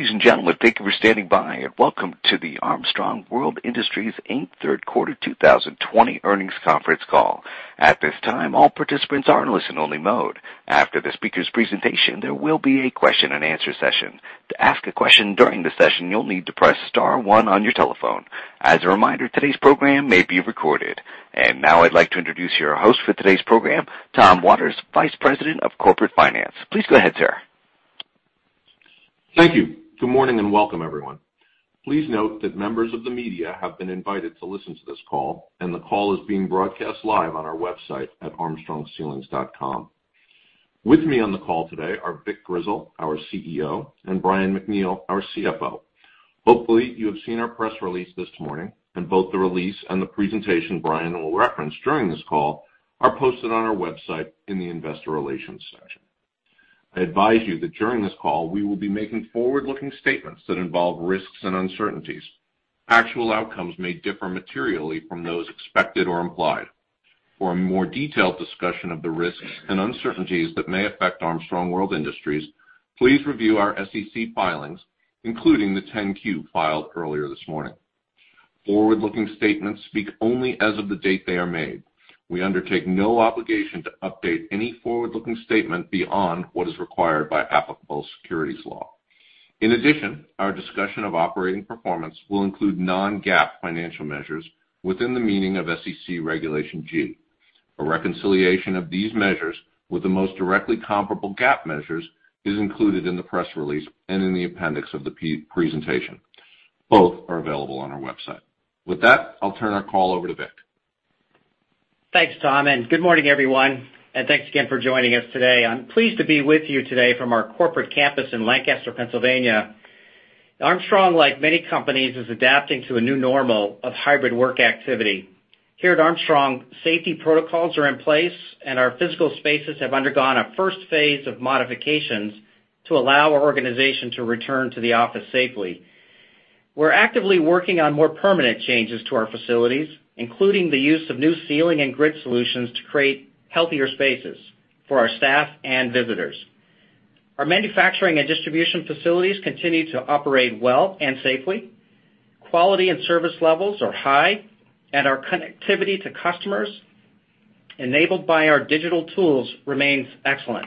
Ladies and gentlemen, thank you for standing by, welcome to the Armstrong World Industries Third Quarter 2020 Earnings Conference Call. At this time, all participants are in listen-only mode. After the speakers' presentation, there will be a question and answer session. To ask a question during the session, you'll need to press star one on your telephone. As a reminder, today's program may be recorded. Now I'd like to introduce your host for today's program, Tom Waters, Vice President of Corporate Finance. Please go ahead, sir. Thank you. Good morning, and welcome everyone. Please note that members of the media have been invited to listen to this call, and the call is being broadcast live on our website at armstrongceilings.com. With me on the call today are Vic Grizzle, our CEO, and Brian MacNeal, our CFO. Hopefully, you have seen our press release this morning, and both the release and the presentation Brian will reference during this call are posted on our website in the investor relations section. I advise you that during this call, we will be making forward-looking statements that involve risks and uncertainties. Actual outcomes may differ materially from those expected or implied. For a more detailed discussion of the risks and uncertainties that may affect Armstrong World Industries, please review our SEC filings, including the 10-Q filed earlier this morning. Forward-looking statements speak only as of the date they are made. We undertake no obligation to update any forward-looking statement beyond what is required by applicable securities law. In addition, our discussion of operating performance will include non-GAAP financial measures within the meaning of SEC Regulation G. A reconciliation of these measures with the most directly comparable GAAP measures is included in the press release and in the appendix of the presentation. Both are available on our website. With that, I'll turn our call over to Vic. Thanks, Tom, and good morning, everyone, and thanks again for joining us today. I'm pleased to be with you today from our corporate campus in Lancaster, Pennsylvania. Armstrong, like many companies, is adapting to a new normal of hybrid work activity. Here at Armstrong, safety protocols are in place, and our physical spaces have undergone a first phase of modifications to allow our organization to return to the office safely. We're actively working on more permanent changes to our facilities, including the use of new ceiling and grid solutions to create healthier spaces for our staff and visitors. Our manufacturing and distribution facilities continue to operate well and safely. Quality and service levels are high, and our connectivity to customers, enabled by our digital tools, remains excellent.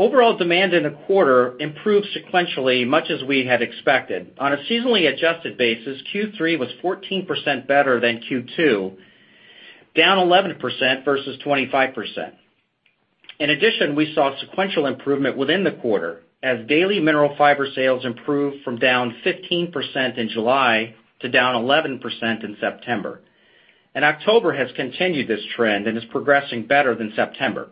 Overall demand in the quarter improved sequentially, much as we had expected. On a seasonally adjusted basis, Q3 was 14% better than Q2, down 11% versus 25%. We saw sequential improvement within the quarter, as daily Mineral Fiber sales improved from down 15% in July to down 11% in September. October has continued this trend and is progressing better than September.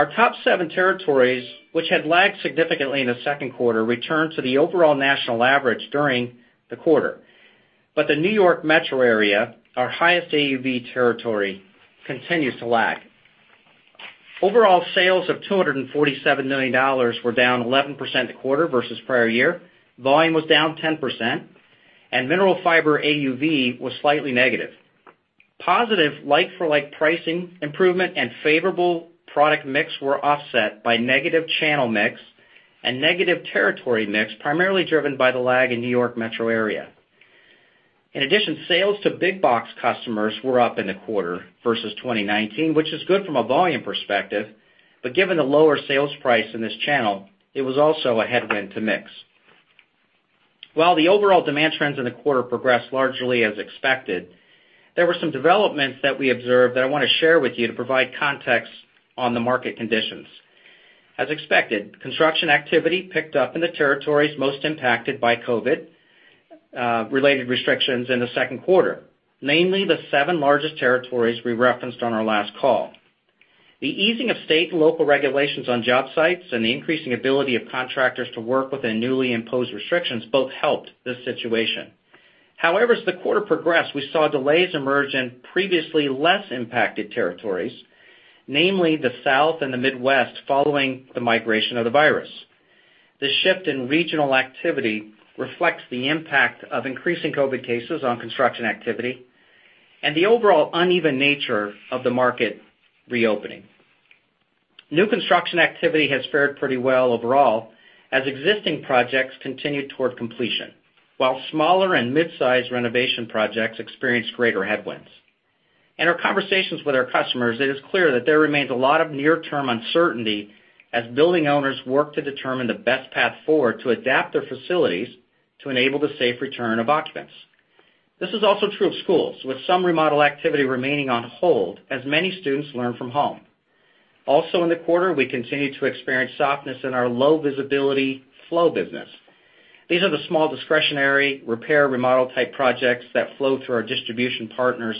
Our top seven territories, which had lagged significantly in the second quarter, returned to the overall national average during the quarter. The New York metro area, our highest AUV territory, continues to lag. Overall sales of $247 million were down 11% a quarter versus prior-year. Volume was down 10%, and Mineral Fiber AUV was slightly negative. Positive like-for-like pricing improvement and favorable product mix were offset by negative channel mix and negative territory mix, primarily driven by the lag in New York metro area. Sales to big box customers were up in the quarter versus 2019, which is good from a volume perspective, but given the lower sales price in this channel, it was also a headwind to mix. While the overall demand trends in the quarter progressed largely as expected, there were some developments that we observed that I want to share with you to provide context on the market conditions. As expected, construction activity picked up in the territories most impacted by COVID-19-related restrictions in the second quarter, namely the seven largest territories we referenced on our last call. The easing of state and local regulations on job sites and the increasing ability of contractors to work within newly imposed restrictions both helped this situation. However, as the quarter progressed, we saw delays emerge in previously less impacted territories, namely the South and the Midwest, following the migration of the virus. The shift in regional activity reflects the impact of increasing COVID cases on construction activity and the overall uneven nature of the market reopening. New construction activity has fared pretty well overall as existing projects continued toward completion, while smaller and midsize renovation projects experienced greater headwinds. In our conversations with our customers, it is clear that there remains a lot of near-term uncertainty as building owners work to determine the best path forward to adapt their facilities to enable the safe return of occupants. This is also true of schools, with some remodel activity remaining on hold as many students learn from home. Also in the quarter, we continued to experience softness in our low visibility flow business. These are the small discretionary repair, remodel-type projects that flow through our distribution partners,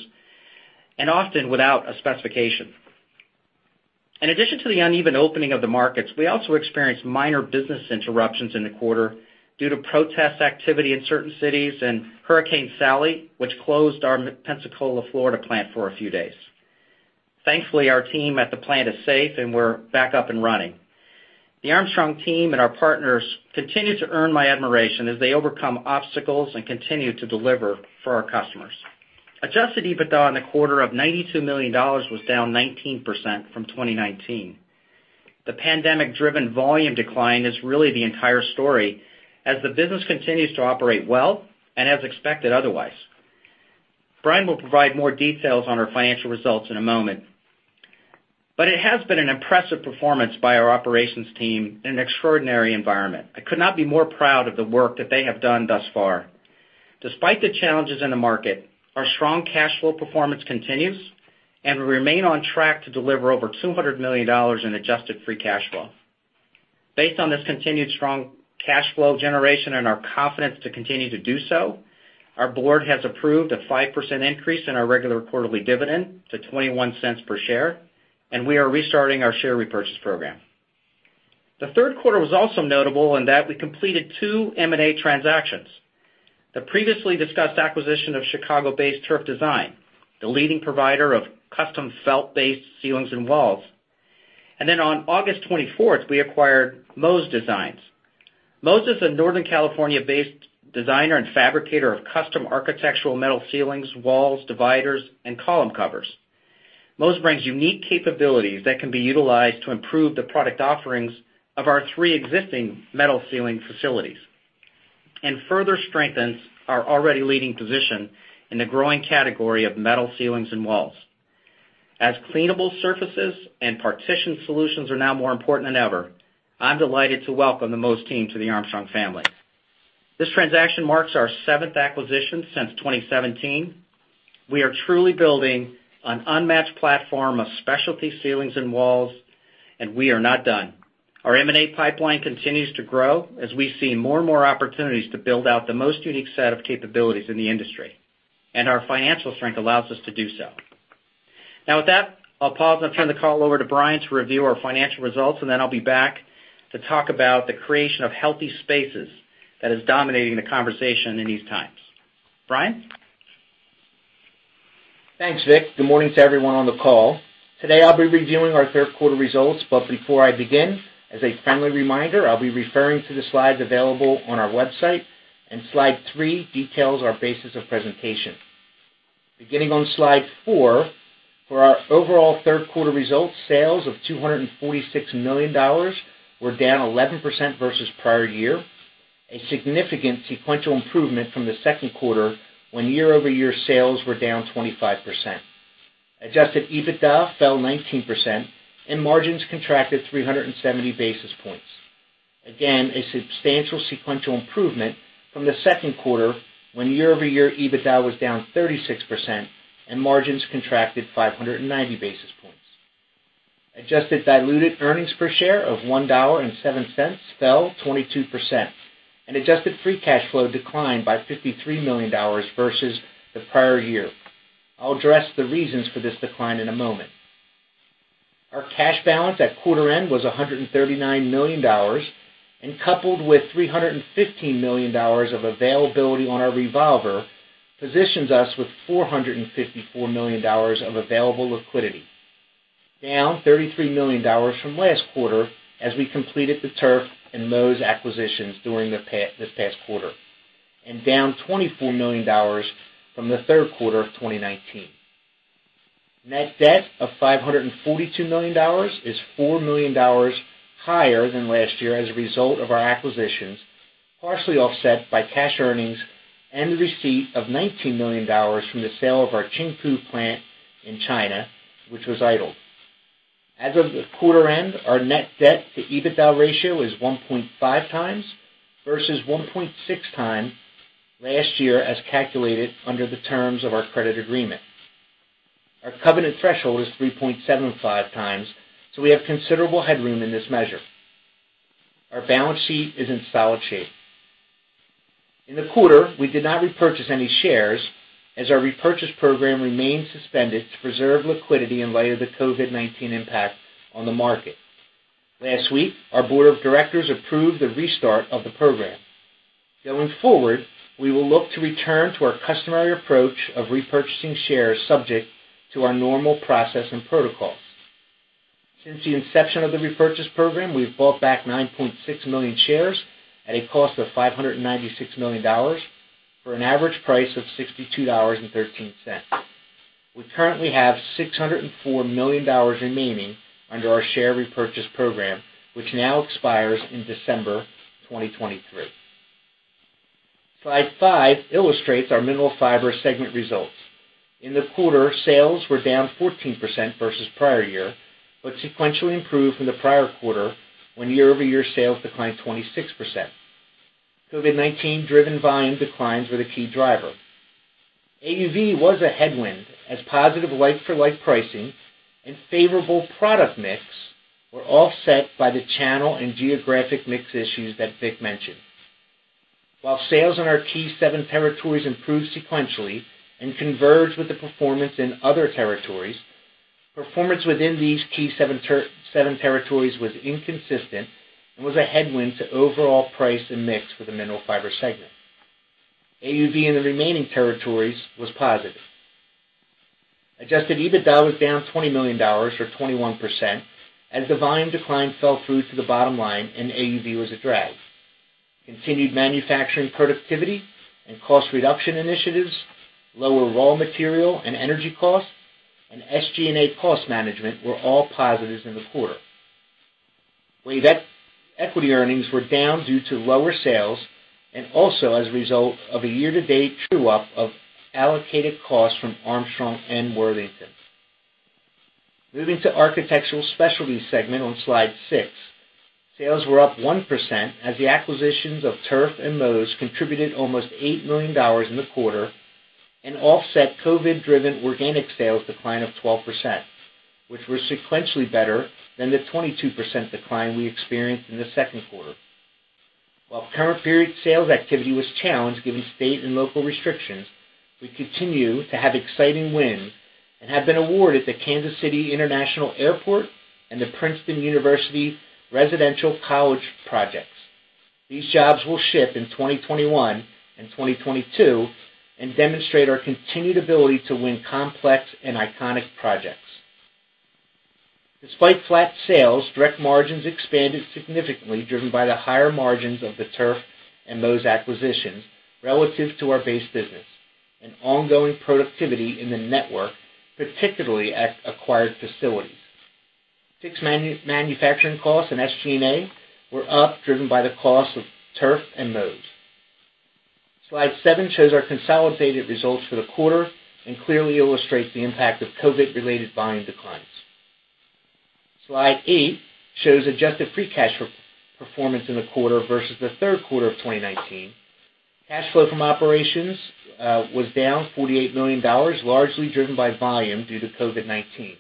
and often without a specification. In addition to the uneven opening of the markets, we also experienced minor business interruptions in the quarter due to protest activity in certain cities and Hurricane Sally, which closed our Pensacola, Florida plant for a few days. Thankfully, our team at the plant is safe, and we're back up and running. The Armstrong team and our partners continue to earn my admiration as they overcome obstacles and continue to deliver for our customers. Adjusted EBITDA in the quarter of $92 million was down 19% from 2019. The pandemic-driven volume decline is really the entire story, as the business continues to operate well and as expected otherwise. Brian will provide more details on our financial results in a moment. It has been an impressive performance by our operations team in an extraordinary environment. I could not be more proud of the work that they have done thus far. Despite the challenges in the market, our strong cash flow performance continues, and we remain on track to deliver over $200 million in adjusted free cash flow. Based on this continued strong cash flow generation and our confidence to continue to do so, our Board has approved a 5% increase in our regular quarterly dividend to $0.21 per share, and we are restarting our share repurchase program. The third quarter was also notable in that we completed two M&A transactions. The previously discussed acquisition of Chicago-based Turf Design, the leading provider of custom felt-based ceilings and walls. On August 24th, we acquired Móz Designs. Móz is a Northern California-based designer and fabricator of custom architectural metal ceilings, walls, dividers, and column covers. Móz brings unique capabilities that can be utilized to improve the product offerings of our three existing metal ceiling facilities and further strengthens our already leading position in the growing category of metal ceilings and walls. As cleanable surfaces and partition solutions are now more important than ever, I'm delighted to welcome the Móz team to the Armstrong family. This transaction marks our seventh acquisition since 2017. We are truly building an unmatched platform of specialty ceilings and walls, and we are not done. Our M&A pipeline continues to grow as we see more and more opportunities to build out the most unique set of capabilities in the industry, and our financial strength allows us to do so. Now, with that, I'll pause and turn the call over to Brian to review our financial results, and then I'll be back to talk about the creation of Healthy Spaces that is dominating the conversation in these times. Brian? Thanks, Vic. Good morning to everyone on the call. Today, I'll be reviewing our Third Quarter Results. Before I begin, as a friendly reminder, I'll be referring to the slides available on our website, and slide three details our basis of presentation. Beginning on slide four, for our overall third quarter results, sales of $246 million were down 11% versus prior-year, a significant sequential improvement from the second quarter, when year-over-year sales were down 25%. Adjusted EBITDA fell 19%, and margins contracted 370 basis points. Again, a substantial sequential improvement from the second quarter when year-over-year EBITDA was down 36% and margins contracted 590 basis points. Adjusted diluted earnings per share of $1.07 fell 22%, and adjusted free cash flow declined by $53 million versus the prior-year. I'll address the reasons for this decline in a moment. Our cash balance at quarter end was $139 million, and coupled with $315 million of availability on our revolver, positions us with $454 million of available liquidity, down $33 million from last quarter as we completed the Turf and Móz acquisitions during this past quarter, and down $24 million from the third quarter of 2019. Net debt of $542 million is $4 million higher than last year as a result of our acquisitions, partially offset by cash earnings and the receipt of $19 million from the sale of our Qingpu plant in China, which was idled. As of the quarter end, our net debt to EBITDA ratio is 1.5x versus 1.6x last year, as calculated under the terms of our credit agreement. Our covenant threshold is 3.75x, so we have considerable headroom in this measure. Our balance sheet is in solid shape. In the quarter, we did not repurchase any shares as our repurchase program remains suspended to preserve liquidity in light of the COVID-19 impact on the market. Last week, our Board of Directors approved the restart of the program. Going forward, we will look to return to our customary approach of repurchasing shares subject to our normal process and protocols. Since the inception of the repurchase program, we've bought back 9.6 million shares at a cost of $596 million, for an average price of $62.13. We currently have $604 million remaining under our share repurchase program, which now expires in December 2023. Slide five illustrates our Mineral Fiber segment results. In the quarter, sales were down 14% versus prior-year, but sequentially improved from the prior-quarter when year-over-year sales declined 26%. COVID-19-driven volume declines were the key driver. AUV was a headwind as positive like-for-like pricing and favorable product mix were offset by the channel and geographic mix issues that Vic mentioned. While sales in our key seven territories improved sequentially and converged with the performance in other territories, performance within these key seven territories was inconsistent and was a headwind to overall price and mix for the Mineral Fiber segment. AUV in the remaining territories was positive. Adjusted EBITDA was down $20 million or 21%, as the volume decline fell through to the bottom-line and AUV was a drag. Continued manufacturing productivity and cost reduction initiatives, lower raw material and energy costs, and SG&A cost management were all positives in the quarter. WAVE equity earnings were down due to lower sales, and also as a result of a year-to-date true up of allocated costs from Armstrong and Worthington. Moving to Architectural Specialty segment on slide six. Sales were up 1% as the acquisitions of Turf and Móz contributed almost $8 million in the quarter and offset COVID-driven organic sales decline of 12%, which were sequentially better than the 22% decline we experienced in the second quarter. While current period sales activity was challenged given state and local restrictions, we continue to have exciting wins and have been awarded the Kansas City International Airport and the Princeton University Residential College projects. These jobs will ship in 2021 and 2022 and demonstrate our continued ability to win complex and iconic projects. Despite flat sales, direct margins expanded significantly, driven by the higher margins of the Turf and Móz acquisitions, relative to our base business, and ongoing productivity in the network, particularly at acquired facilities. Fixed manufacturing costs and SG&A were up, driven by the cost of Turf and Móz. Slide seven shows our consolidated results for the quarter and clearly illustrates the impact of COVID-related volume declines. Slide eight shows adjusted free cash performance in the quarter versus the third quarter of 2019. Cash flow from operations, was down $48 million, largely driven by volume due to COVID-19.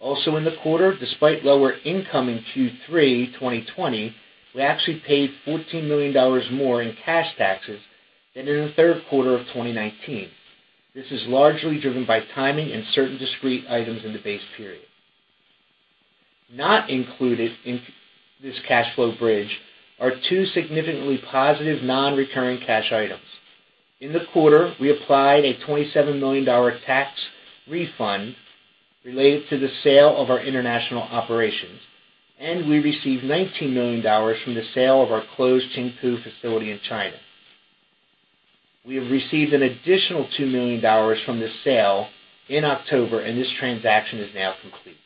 Also in the quarter, despite lower income in Q3 2020, we actually paid $14 million more in cash taxes than in the third quarter of 2019. This is largely driven by timing and certain discrete items in the base period. Not included in this cash flow bridge are two significantly positive non-recurring cash items. In the quarter, we applied a $27 million tax refund related to the sale of our international operations, and we received $19 million from the sale of our closed Qingpu facility in China. We have received an additional $2 million from this sale in October, and this transaction is now complete.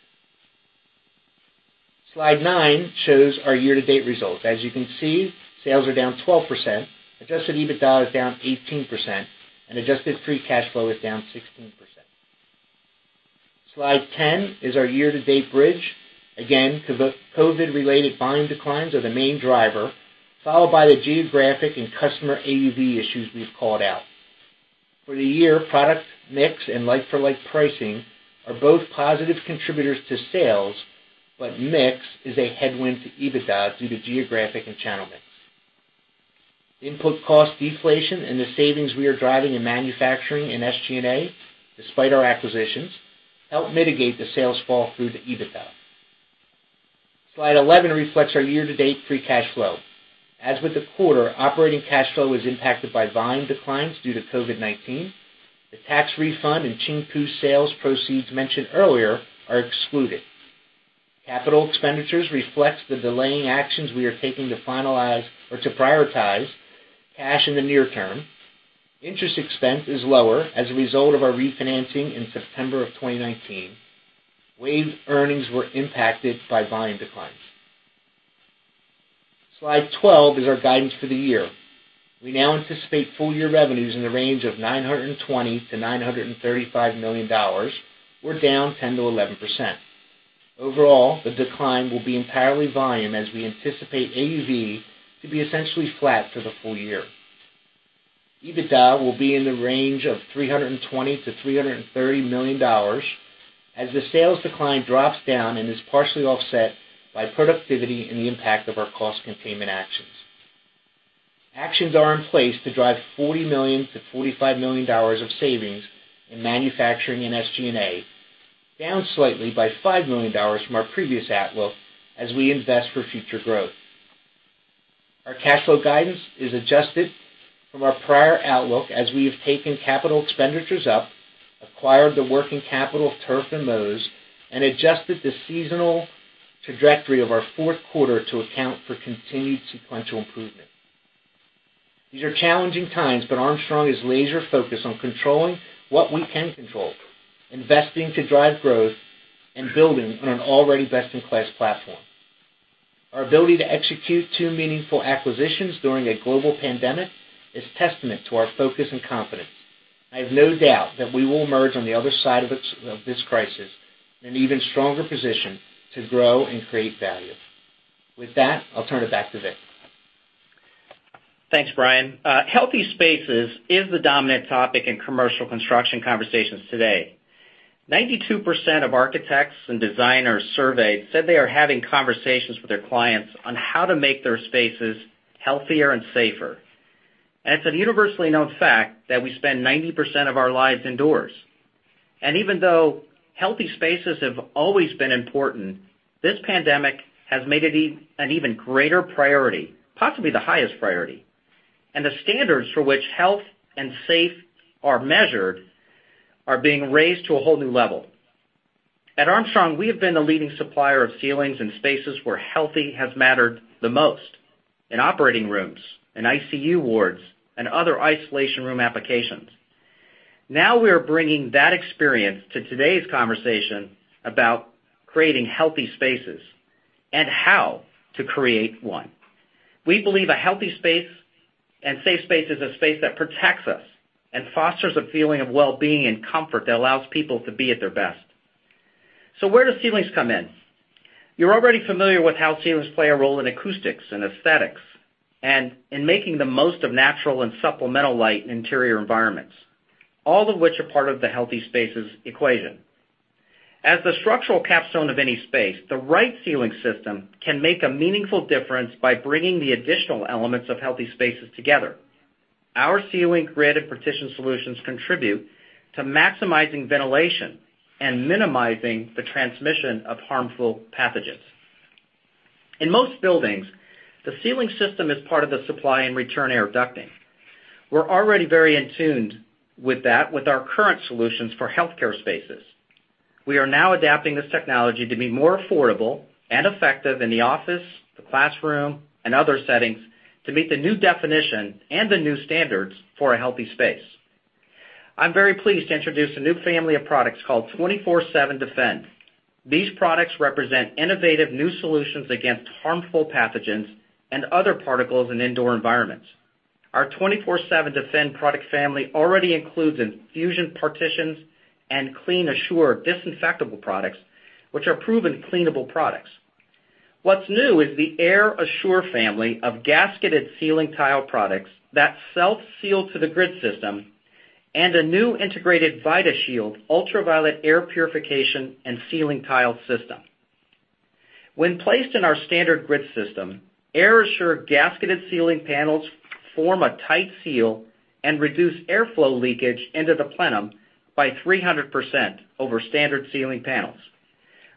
Slide nine shows our year-to-date results. As you can see, sales are down 12%, adjusted EBITDA is down 18%, and adjusted free cash flow is down 16%. Slide 10 is our year-to-date bridge. COVID-related volume declines are the main driver, followed by the geographic and customer AUV issues we've called out. For the year, product mix and like-for-like pricing are both positive contributors to sales, but mix is a headwind to EBITDA due to geographic and channel mix. Input cost deflation and the savings we are driving in manufacturing and SG&A, despite our acquisitions, help mitigate the sales fall through to EBITDA. Slide 11 reflects our year-to-date free cash flow. As with the quarter, operating cash flow was impacted by volume declines due to COVID-19. The tax refund and Qingpu sales proceeds mentioned earlier are excluded. Capital expenditures reflect the delaying actions we are taking to prioritize cash in the near-term. Interest expense is lower as a result of our refinancing in September 2019. WAVE earnings were impacted by volume declines. Slide 12 is our guidance for the year. We now anticipate full year revenues in the range of $920 million-$935 million, or down 10%-11%. Overall, the decline will be entirely volume as we anticipate AUV to be essentially flat for the full-year. EBITDA will be in the range of $320 million-$330 million as the sales decline drops down and is partially offset by productivity and the impact of our cost containment actions. Actions are in place to drive $40 million-$45 million of savings in manufacturing and SG&A, down slightly by $5 million from our previous outlook as we invest for future growth. Our cash flow guidance is adjusted from our prior outlook as we have taken capital expenditures up, acquired the working capital of Turf and Móz, and adjusted the seasonal trajectory of our fourth quarter to account for continued sequential improvement. These are challenging times, but Armstrong is laser-focused on controlling what we can control, investing to drive growth, and building on an already best-in-class platform. Our ability to execute two meaningful acquisitions during a global pandemic is testament to our focus and confidence. I have no doubt that we will emerge on the other side of this crisis in an even stronger position to grow and create value. With that, I'll turn it back to Vic. Thanks, Brian. Healthy Spaces is the dominant topic in commercial construction conversations today. 92% of architects and designers surveyed said they are having conversations with their clients on how to make their spaces healthier and safer. It's a universally known fact that we spend 90% of our lives indoors. Even though Healthy Spaces have always been important, this pandemic has made it an even greater priority, possibly the highest priority. The standards for which health and safe are measured are being raised to a whole new level. At Armstrong, we have been the leading supplier of ceilings in spaces where healthy has mattered the most, in operating rooms, in ICU wards, and other isolation room applications. Now we're bringing that experience to today's conversation about creating Healthy Spaces and how to create one. We believe a healthy space and safe space is a space that protects us and fosters a feeling of wellbeing and comfort that allows people to be at their best. Where do ceilings come in? You're already familiar with how ceilings play a role in acoustics and aesthetics, and in making the most of natural and supplemental light in interior environments, all of which are part of the Healthy Spaces equation. As the structural capstone of any space, the right ceiling system can make a meaningful difference by bringing the additional elements of Healthy Spaces together. Our ceiling grid and partition solutions contribute to maximizing ventilation and minimizing the transmission of harmful pathogens. In most buildings, the ceiling system is part of the supply and return air ducting. We're already very attuned with that with our current solutions for healthcare spaces. We are now adapting this technology to be more affordable and effective in the office, the classroom, and other settings to meet the new definition and the new standards for a healthy space. I'm very pleased to introduce a new family of products called 24/7 Defend. These products represent innovative new solutions against harmful pathogens and other particles in indoor environments. Our 24/7 Defend product family already includes Infusions partitions and CleanAssure disinfectable products, which are proven cleanable products. What's new is the AirAssure family of gasketed ceiling tile products that self-seal to the grid system and a new integrated VidaShield ultraviolet air purification and ceiling tile system. When placed in our standard grid system, AirAssure gasketed ceiling panels form a tight seal and reduce airflow leakage into the plenum by 300% over standard ceiling panels.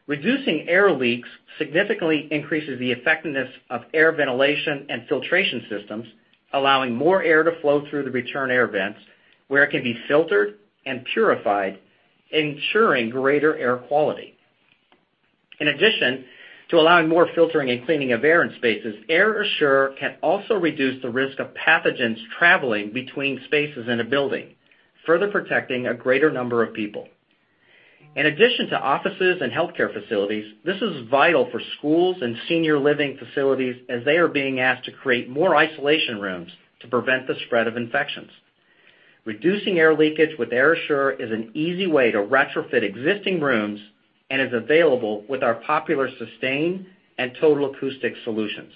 Reducing air leaks significantly increases the effectiveness of air ventilation and filtration systems, allowing more air to flow through the return air vents, where it can be filtered and purified, ensuring greater air quality. In addition to allowing more filtering and cleaning of air in spaces, AirAssure can also reduce the risk of pathogens traveling between spaces in a building, further protecting a greater number of people. In addition to offices and healthcare facilities, this is vital for schools and senior living facilities, as they are being asked to create more isolation rooms to prevent the spread of infections. Reducing air leakage with AirAssure is an easy way to retrofit existing rooms and is available with our popular Sustain and Total Acoustics solutions.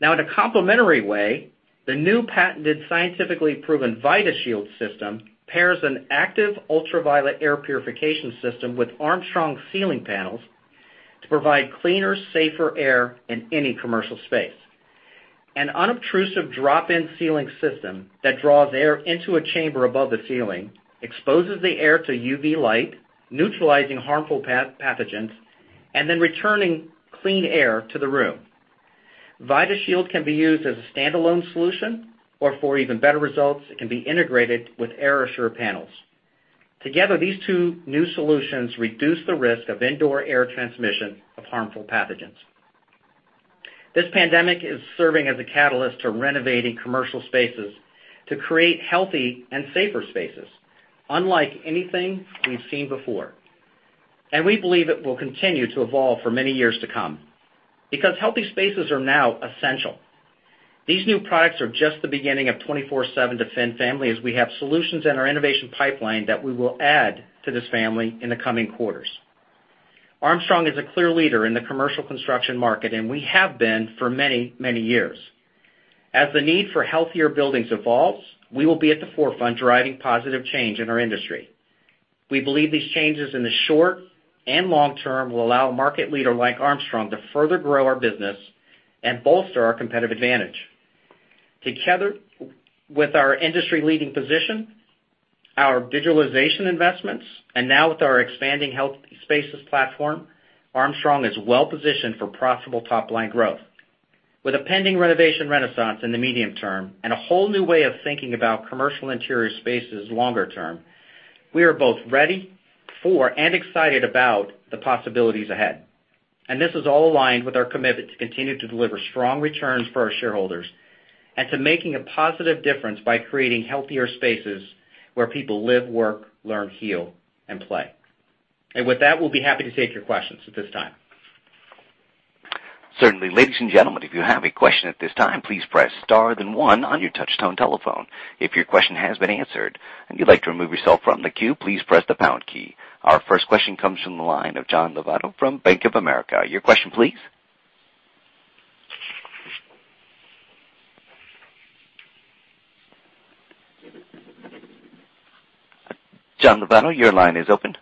In a complementary way, the new patented scientifically proven VidaShield system pairs an active ultraviolet air purification system with Armstrong ceiling panels to provide cleaner, safer air in any commercial space. An unobtrusive drop-in ceiling system that draws air into a chamber above the ceiling, exposes the air to UV light, neutralizing harmful pathogens, and then returning clean air to the room. VidaShield can be used as a standalone solution, or for even better results, it can be integrated with AirAssure panels. Together, these two new solutions reduce the risk of indoor air transmission of harmful pathogens. This pandemic is serving as a catalyst to renovating commercial spaces to create healthy and safer spaces, unlike anything we've seen before. We believe it will continue to evolve for many years to come, because healthy spaces are now essential. These new products are just the beginning of 24/7 Defend family, as we have solutions in our innovation pipeline that we will add to this family in the coming quarters. Armstrong is a clear leader in the commercial construction market, and we have been for many, many years. As the need for healthier buildings evolves, we will be at the forefront driving positive change in our industry. We believe these changes in the short-and long-term will allow a market leader like Armstrong to further grow our business and bolster our competitive advantage. Together with our industry-leading position, our visualization investments, and now with our expanding Healthy Spaces platform, Armstrong is well-positioned for profitable top-line growth. With a pending renovation renaissance in the medium-term and a whole new way of thinking about commercial interior spaces longer-term, we are both ready for and excited about the possibilities ahead. This is all aligned with our commitment to continue to deliver strong returns for our shareholders and to making a positive difference by creating healthier spaces where people live, work, learn, heal, and play. With that, we'll be happy to take your questions at this time. Certainly. Ladies and gentlemen, if you have a question at this time, please press star then one on your touch tone telephone. If your question has been answered and you'd like to remove yourself from the queue, please press the pound key. Our first question comes from the line of John Lovallo from Bank of America. Your question please. John Lovallo, your line is open.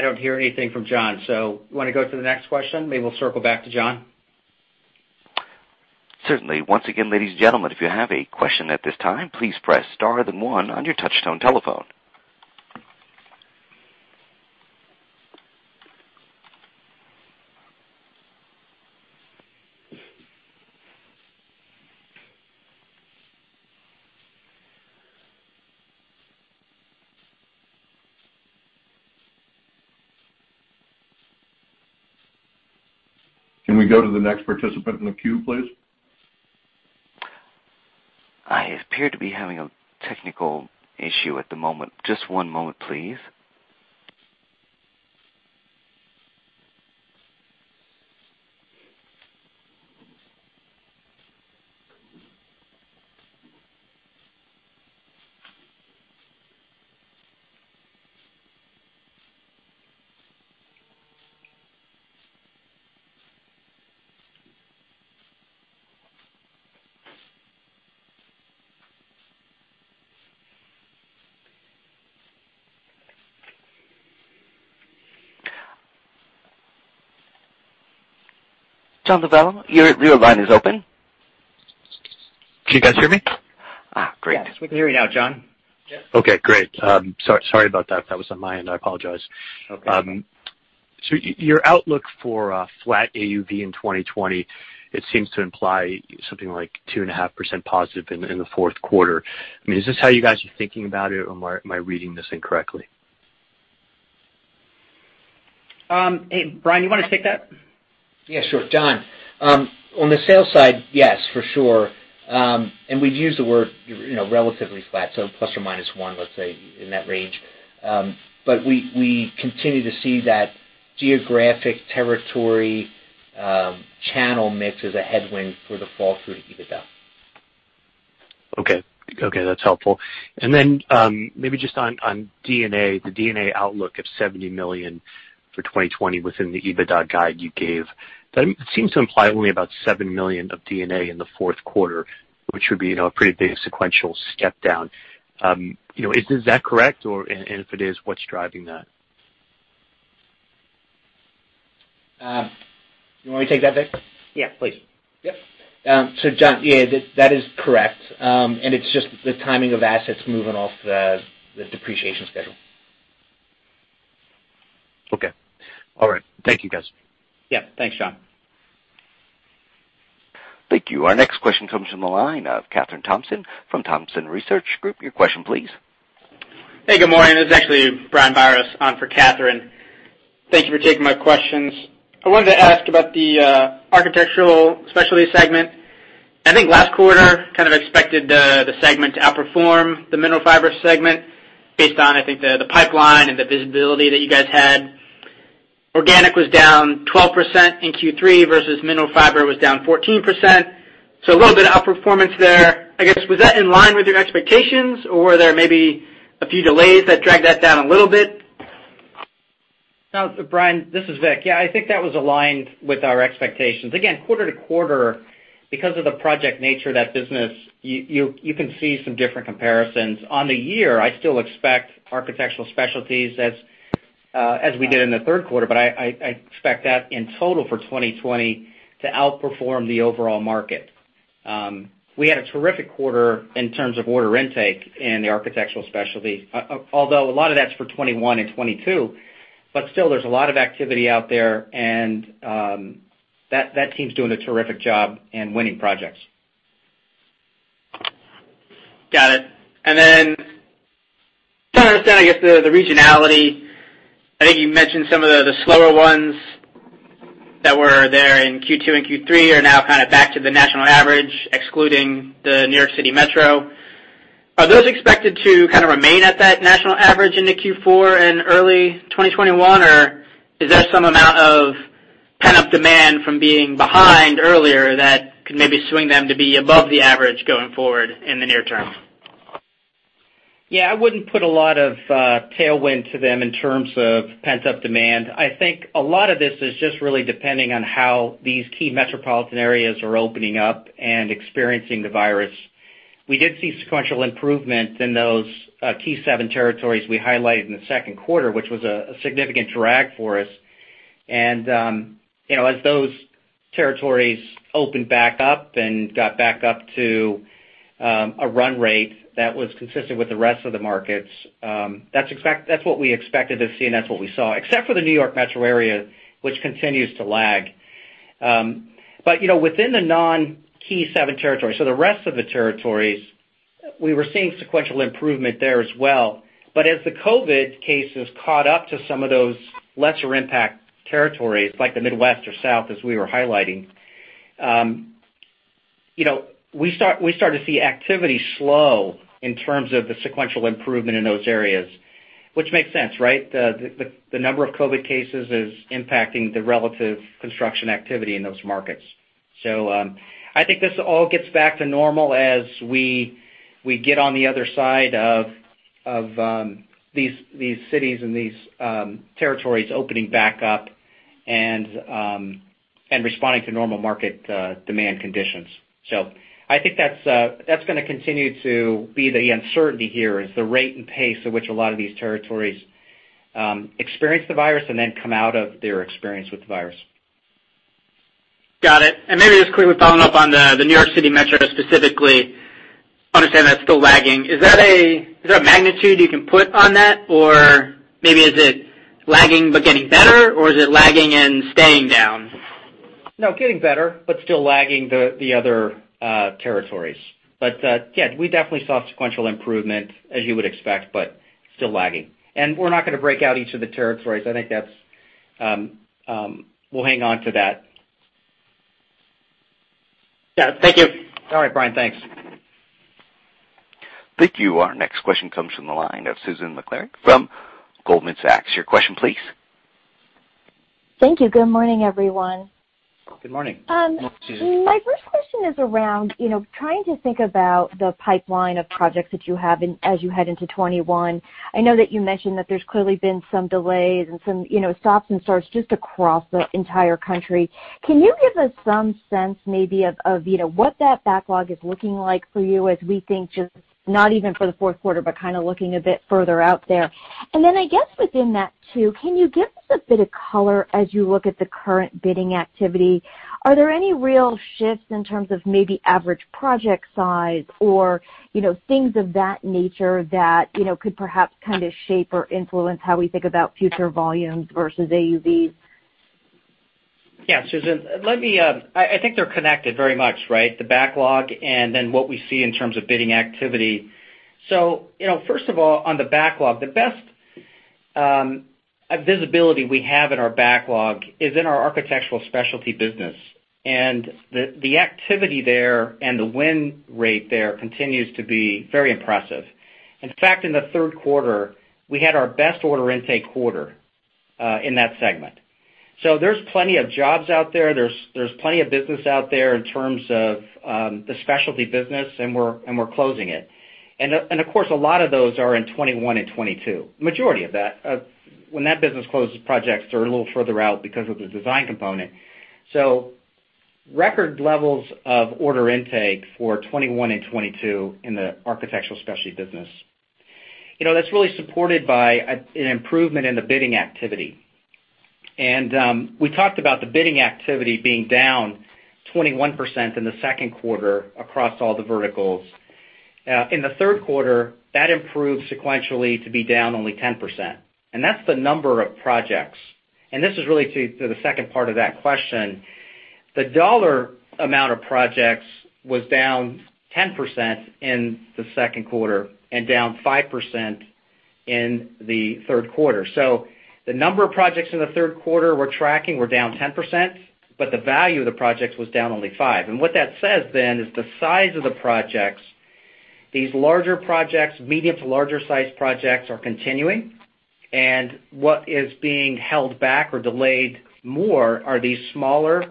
I don't hear anything from John. Do you want to go to the next question? Maybe we'll circle back to John. Certainly. Once again, ladies and gentlemen, if you have a question at this time, please press star then one on your touchtone telephone. Can we go to the next participant in the queue, please? I appear to be having a technical issue at the moment. Just one moment, please. John Lovallo, your line is open. Can you guys hear me? Great. Yes, we can hear you now, John. Okay, great. Sorry about that. That was on my end. I apologize. No problem. Your outlook for flat AUV in 2020, it seems to imply something like 2.5% positive in the fourth quarter. Is this how you guys are thinking about it, or am I reading this incorrectly? Brian, you want to take that? Yeah, sure. John, on the sales side, yes, for sure. We'd use the word, relatively flat, so ±1, let's say, in that range. We continue to see that geographic territory, channel mix as a headwind for the fall through to EBITDA. Okay. That's helpful. Maybe just on D&A, the D&A outlook of $70 million for 2020 within the EBITDA guide you gave. That seems to imply only about $7 million of D&A in the fourth quarter, which would be a pretty big sequential step down. Is that correct? If it is, what's driving that? You want me to take that, Vic? Yeah, please. Yep. John, yeah, that is correct. It's just the timing of assets moving off the depreciation schedule. Okay. All right. Thank you, guys. Yeah. Thanks, John. Thank you. Our next question comes from the line of Kathryn Thompson from Thompson Research Group. Your question please. Hey, good morning. This is actually Brian Biros on for Kathryn. Thank you for taking my questions. I wanted to ask about the Architectural Specialties segment. I think last quarter, kind of expected the segment to outperform the Mineral Fiber segment based on, I think, the pipeline and the visibility that you guys had. Organic was down 12% in Q3 versus Mineral Fiber was down 14%. A little bit of outperformance there. I guess, was that in line with your expectations, or were there maybe a few delays that dragged that down a little bit? Brian, this is Vic. I think that was aligned with our expectations. Quarter-to-quarter, because of the project nature of that business, you can see some different comparisons. On the year, I still expect Architectural Specialties, as we did in the third quarter. I expect that in total for 2020 to outperform the overall market. We had a terrific quarter in terms of order intake in the Architectural Specialties, although a lot of that's for 2021 and 2022. There's a lot of activity out there, and that team's doing a terrific job in winning projects. Got it. Trying to understand, I guess, the regionality. I think you mentioned some of the slower ones that were there in Q2 and Q3 are now kind of back to the national average, excluding the New York City metro. Are those expected to kind of remain at that national average into Q4 and early 2021, or is that some amount of pent-up demand from being behind earlier that could maybe swing them to be above the average going forward in the near-term? Yeah, I wouldn't put a lot of tailwind to them in terms of pent-up demand. I think a lot of this is just really depending on how these key metropolitan areas are opening up and experiencing the virus. We did see sequential improvement in those key seven territories we highlighted in the second quarter, which was a significant drag for us. As those territories opened back up and got back up to a run-rate that was consistent with the rest of the markets, that's what we expected to see, and that's what we saw, except for the New York metro area, which continues to lag. Within the non-key seven territories, so the rest of the territories, we were seeing sequential improvement there as well. As the COVID cases caught up to some of those lesser impact territories, like the Midwest or South, as we were highlighting, we started to see activity slow in terms of the sequential improvement in those areas, which makes sense, right? The number of COVID cases is impacting the relative construction activity in those markets. I think this all gets back to normal as we get on the other side of these cities and these territories opening back up and responding to normal market demand conditions. I think that's going to continue to be the uncertainty here, is the rate and pace at which a lot of these territories experience the virus and then come out of their experience with the virus. Got it. Maybe just quickly following-up on the New York City Metro specifically, understand that's still lagging. Is there a magnitude you can put on that? Maybe is it lagging but getting better, or is it lagging and staying down? Getting better, but still lagging the other territories. Yeah, we definitely saw sequential improvement as you would expect, but still lagging. We're not going to break out each of the territories. We'll hang on to that. Yeah. Thank you. All right, Brian. Thanks. Thank you. Our next question comes from the line of Susan Maklari from Goldman Sachs. Your question please. Thank you. Good morning, everyone. Good morning. Good morning, Susan. My first question is around trying to think about the pipeline of projects that you have as you head into 2021. I know that you mentioned that there's clearly been some delays and some stops and starts just across the entire country. Can you give us some sense maybe of what that backlog is looking like for you as we think just not even for the fourth quarter, but kind of looking a bit further out there? Then I guess within that too, can you give us a bit of color as you look at the current bidding activity? Are there any real shifts in terms of maybe average project size or things of that nature that could perhaps kind of shape or influence how we think about future volumes versus AUVs? Yeah, Susan. I think they're connected very much, right? The backlog and what we see in terms of bidding activity. First of all, on the backlog, the best visibility we have in our Architectural Specialties business. The activity there and the win rate there continues to be very impressive. In fact, in the third quarter, we had our best order intake quarter in that segment. There's plenty of jobs out there's plenty of business out there in terms of the specialty business, and we're closing it. Of course, a lot of those are in 2021 and 2022. The majority of that. When that business closes projects, they're a little further out because of the design component. Record levels of order intake for 2021 and 2022 in the Architectural Specialties business. That's really supported by an improvement in the bidding activity. We talked about the bidding activity being down 21% in the second quarter across all the verticals. In the third quarter, that improved sequentially to be down only 10%. That's the number of projects. This is really to the second part of that question. The dollar amount of projects was down 10% in the second quarter and down 5% in the third quarter. The number of projects in the third quarter we're tracking were down 10%, but the value of the projects was down only 5%. What that says then is the size of the projects, these larger projects, medium to larger size projects are continuing, and what is being held back or delayed more are these smaller,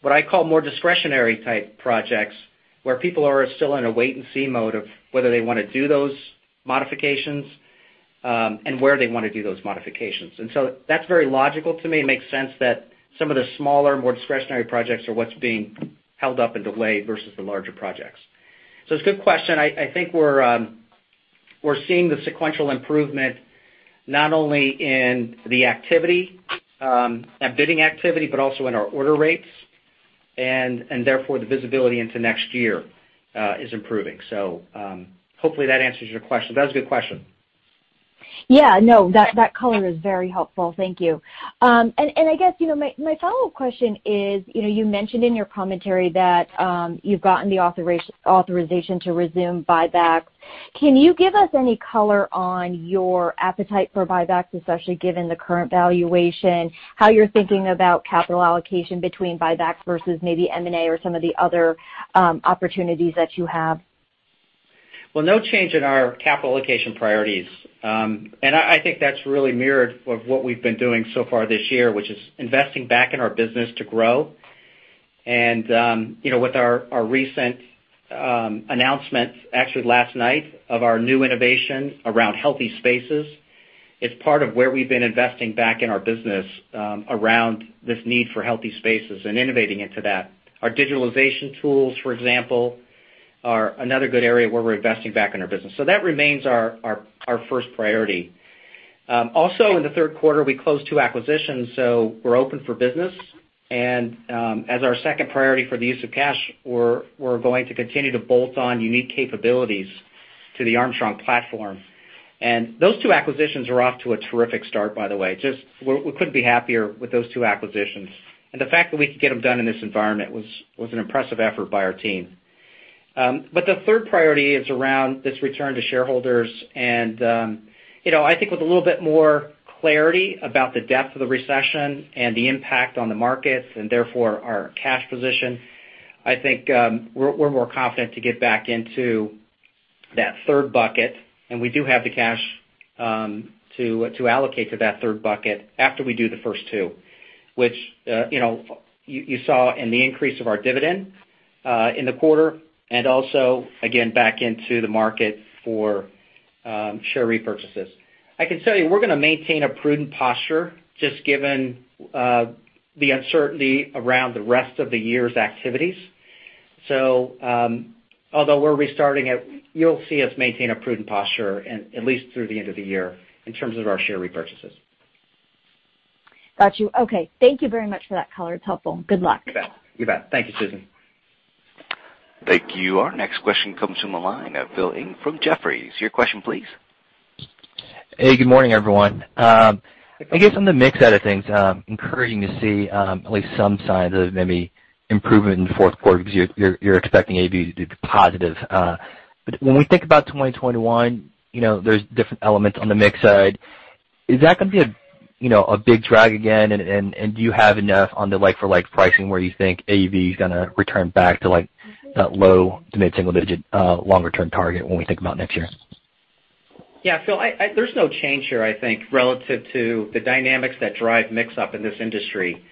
what I call more discretionary type projects, where people are still in a wait-and-see mode of whether they want to do those modifications, and where they want to do those modifications. That's very logical to me. It makes sense that some of the smaller, more discretionary projects are what's being held up and delayed versus the larger projects. It's a good question. I think we're seeing the sequential improvement not only in the bidding activity, but also in our order rates, and therefore the visibility into next year is improving. Hopefully that answers your question. That was a good question. Yeah, no, that color is very helpful. Thank you. I guess my follow-up question is, you mentioned in your commentary that you've gotten the authorization to resume buybacks. Can you give us any color on your appetite for buybacks, especially given the current valuation, how you're thinking about capital allocation between buybacks versus maybe M&A or some of the other opportunities that you have? Well, no change in our capital allocation priorities. I think that's really mirrored with what we've been doing so far this year, which is investing back in our business to grow. With our recent announcement, actually last night, of our new innovation around Healthy Spaces, it's part of where we've been investing back in our business around this need for Healthy Spaces and innovating into that. Our digitalization tools, for example, are another good area where we're investing back in our business. That remains our first priority. Also in the third quarter, we closed two acquisitions, we're open for business. As our second priority for the use of cash, we're going to continue to bolt on unique capabilities to the Armstrong platform. Those two acquisitions are off to a terrific start, by the way. We couldn't be happier with those two acquisitions. The fact that we could get them done in this environment was an impressive effort by our team. The third priority is around this return to shareholders. I think with a little bit more clarity about the depth of the recession and the impact on the markets, and therefore our cash position, I think we're more confident to get back into that third bucket. We do have the cash to allocate to that third bucket after we do the first two. Which you saw in the increase of our dividend in the quarter, and also again back into the market for share repurchases. I can tell you, we're going to maintain a prudent posture, just given the uncertainty around the rest of the year's activities. Although we're restarting it, you'll see us maintain a prudent posture and at least through the end of the year in terms of our share repurchases. Got you. Okay. Thank you very much for that color. It's helpful. Good luck. You bet. Thank you, Susan. Thank you. Our next question comes from the line of Philip Ng from Jefferies. Your question, please. Hey, good morning, everyone. I guess on the mix side of things, encouraging to see at least some signs of maybe improvement in the fourth quarter because you're expecting AUV to be positive. When we think about 2021, there's different elements on the mix side. Is that going to be a big drag again, and do you have enough on the like-for-like pricing where you think AUV is going to return back to that low to mid-single-digit long-term target when we think about next year? Yeah. Phil, there's no change here, I think, relative to the dynamics that drive mix up in this industry.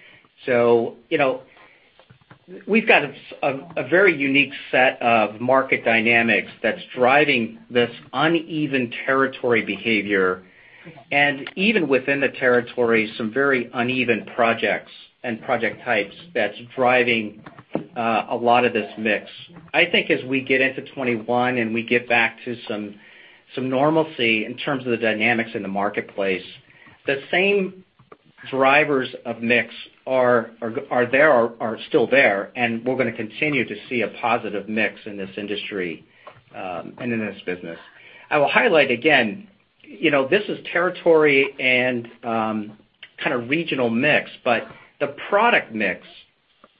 We've got a very unique set of market dynamics that's driving this uneven territory behavior, and even within the territory, some very uneven projects and project types that's driving a lot of this mix. I think as we get into 2021 and we get back to some normalcy in terms of the dynamics in the marketplace, the same drivers of mix are still there, and we're going to continue to see a positive mix in this industry and in this business. I will highlight again, this is territory and kind of regional mix, the product mix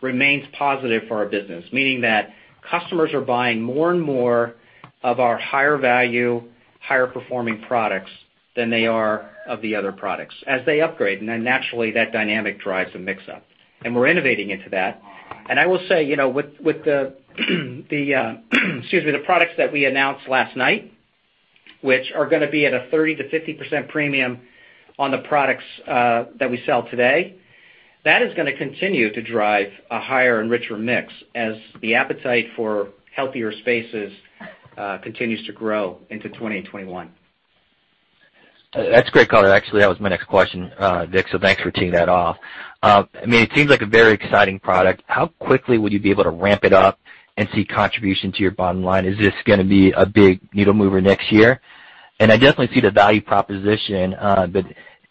remains positive for our business, meaning that customers are buying more and more of our higher value, higher performing products than they are of the other products as they upgrade. Naturally, that dynamic drives the mix-up. We're innovating into that. I will say, with the excuse me, the products that we announced last night, which are going to be at a 30%-50% premium on the products that we sell today, that is going to continue to drive a higher and richer mix as the appetite for Healthy Spaces continues to grow into 2021. That's great color. Actually, that was my next question, Vic. Thanks for teeing that off. It seems like a very exciting product. How quickly would you be able to ramp it up and see contribution to your bottom line? Is this going to be a big needle mover next year? I definitely see the value proposition.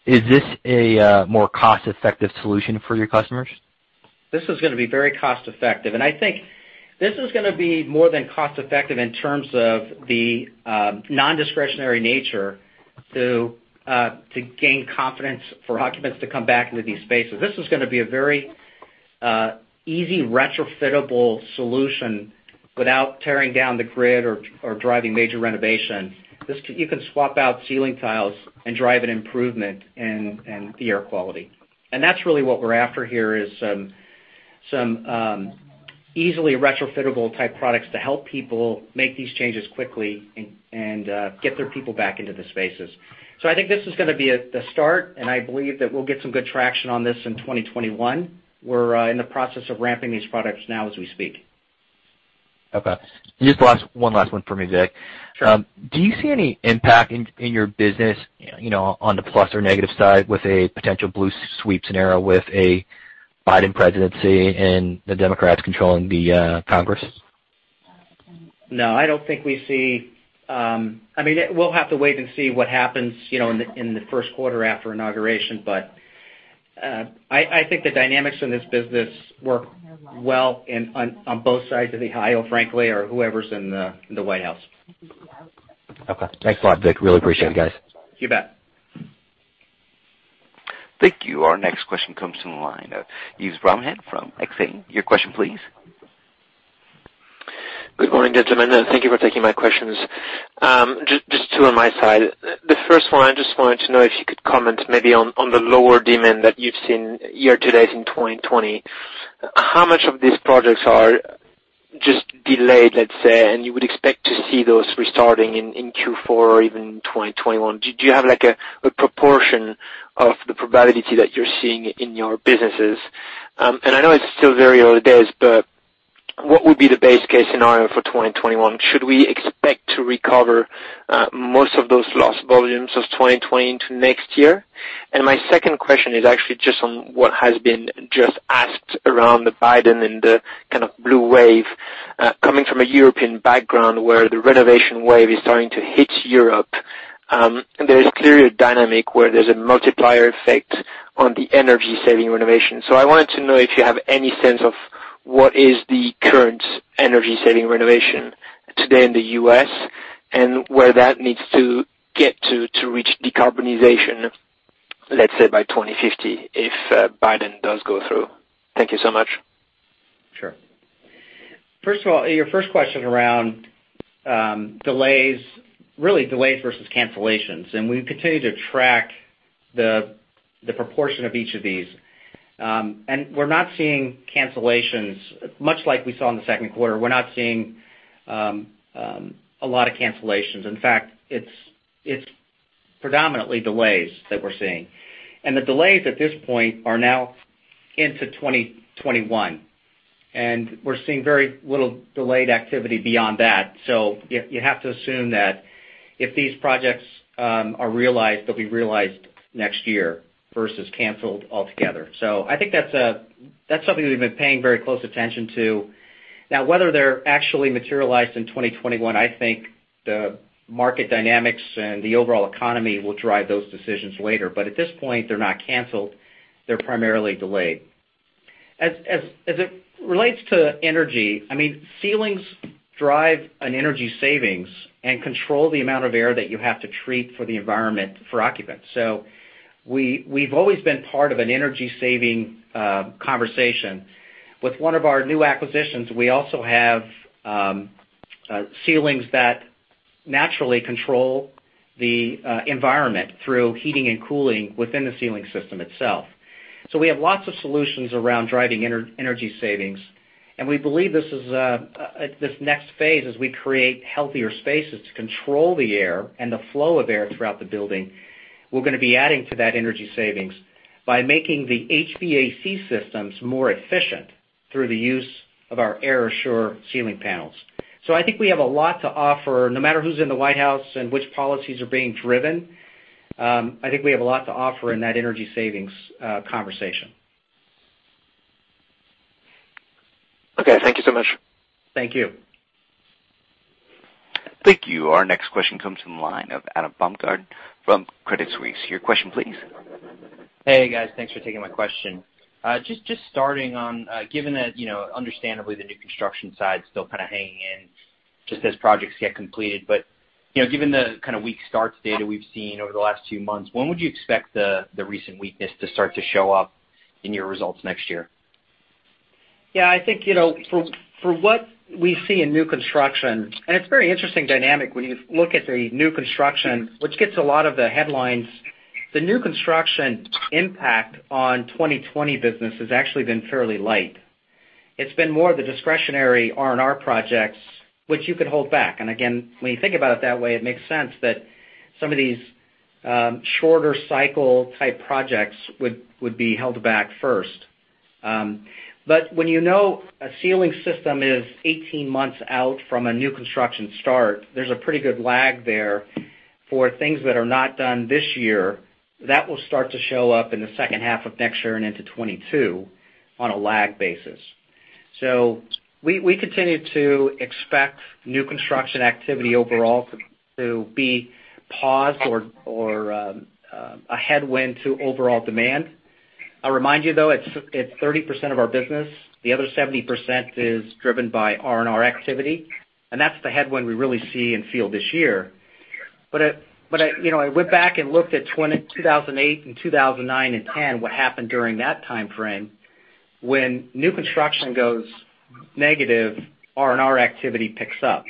Is this a more cost-effective solution for your customers? This is going to be very cost-effective, and I think this is going to be more than cost-effective in terms of the non-discretionary nature to gain confidence for occupants to come back into these spaces. This is going to be a very easy retrofittable solution without tearing down the grid or driving major renovation. You can swap out ceiling tiles and drive an improvement in the air quality. That's really what we're after here is some easily retrofittable type products to help people make these changes quickly and get their people back into the spaces. I think this is going to be the start, and I believe that we'll get some good traction on this in 2021. We're in the process of ramping these products now as we speak. Okay. Just one last one for me, Vic. Sure. Do you see any impact in your business on the plus or negative side with a potential blue sweep scenario with a Biden presidency and the Democrats controlling the Congress? No, We'll have to wait and see what happens in the first quarter after inauguration, but I think the dynamics in this business work well on both sides of the aisle, frankly, or whoever's in the White House. Okay. Thanks a lot, Vic. Really appreciate it, guys. You bet. Thank you. Our next question comes from the line of Yves Bromehead from Exane. Your question, please. Good morning, gentlemen. Thank you for taking my questions. Just two on my side. I just wanted to know if you could comment maybe on the lower demand that you've seen year-to-date in 2020. How much of these projects are just delayed, let's say, and you would expect to see those restarting in Q4 or even in 2021? Do you have a proportion of the probability that you're seeing in your businesses? I know it's still very early days, but what would be the base case scenario for 2021? Should we expect to recover most of those lost volumes of 2020 into next year? My second question is actually just on what has been just asked around the Biden and the kind of blue wave. Coming from a European background where the renovation wave is starting to hit Europe, there is clearly a dynamic where there's a multiplier effect on the energy-saving renovation. I wanted to know if you have any sense of what is the current energy-saving renovation today in the U.S., and where that needs to get to reach de-carbonization, let's say, by 2050, if Biden does go through. Thank you so much. First of all, your first question around delays, really delays versus cancellations. We continue to track the proportion of each of these. We're not seeing cancellations much like we saw in the second quarter. We're not seeing a lot of cancellations. In fact, it's predominantly delays that we're seeing. The delays at this point are now into 2021. We're seeing very little delayed activity beyond that. You have to assume that if these projects are realized, they'll be realized next year versus canceled altogether. I think that's something we've been paying very close attention to. Whether they're actually materialized in 2021, I think the market dynamics and the overall economy will drive those decisions later. At this point, they're not canceled. They're primarily delayed. As it relates to energy, ceilings drive an energy savings and control the amount of air that you have to treat for the environment for occupants. We've always been part of an energy-saving conversation. With one of our new acquisitions, we also have ceilings that naturally control the environment through heating and cooling within the ceiling system itself. We have lots of solutions around driving energy savings, and we believe this next phase, as we create healthier spaces to control the air and the flow of air throughout the building, we're going to be adding to that energy savings by making the HVAC systems more efficient through the use of our AirAssure ceiling panels. I think we have a lot to offer. No matter who's in the White House and which policies are being driven, I think we have a lot to offer in that energy savings conversation. Okay, thank you so much. Thank you. Thank you. Our next question comes from the line of Adam Baumgarten from Credit Suisse. Your question, please. Hey, guys. Thanks for taking my question. Just starting on, given that understandably, the new construction side's still kind of hanging in just as projects get completed. Given the kind of weak starts data we've seen over the last two months, when would you expect the recent weakness to start to show up in your results next year? I think for what we see in new construction, and it's a very interesting dynamic when you look at the new construction, which gets a lot of the headlines. The new construction impact on 2020 business has actually been fairly light. It's been more of the discretionary R&R projects, which you could hold back. Again, when you think about it that way, it makes sense that some of these shorter cycle type projects would be held back first. When you know a ceiling system is 18 months out from a new construction start, there's a pretty good lag there for things that are not done this year. That will start to show up in the second half of next year and into 2022 on a lag basis. We continue to expect new construction activity overall to be paused or a headwind to overall demand. I'll remind you, though, it's 30% of our business. The other 70% is driven by R&R activity, and that's the headwind we really see and feel this year. I went back and looked at 2008 and 2009 and 2010, what happened during that timeframe. When new construction goes negative, R&R activity picks up.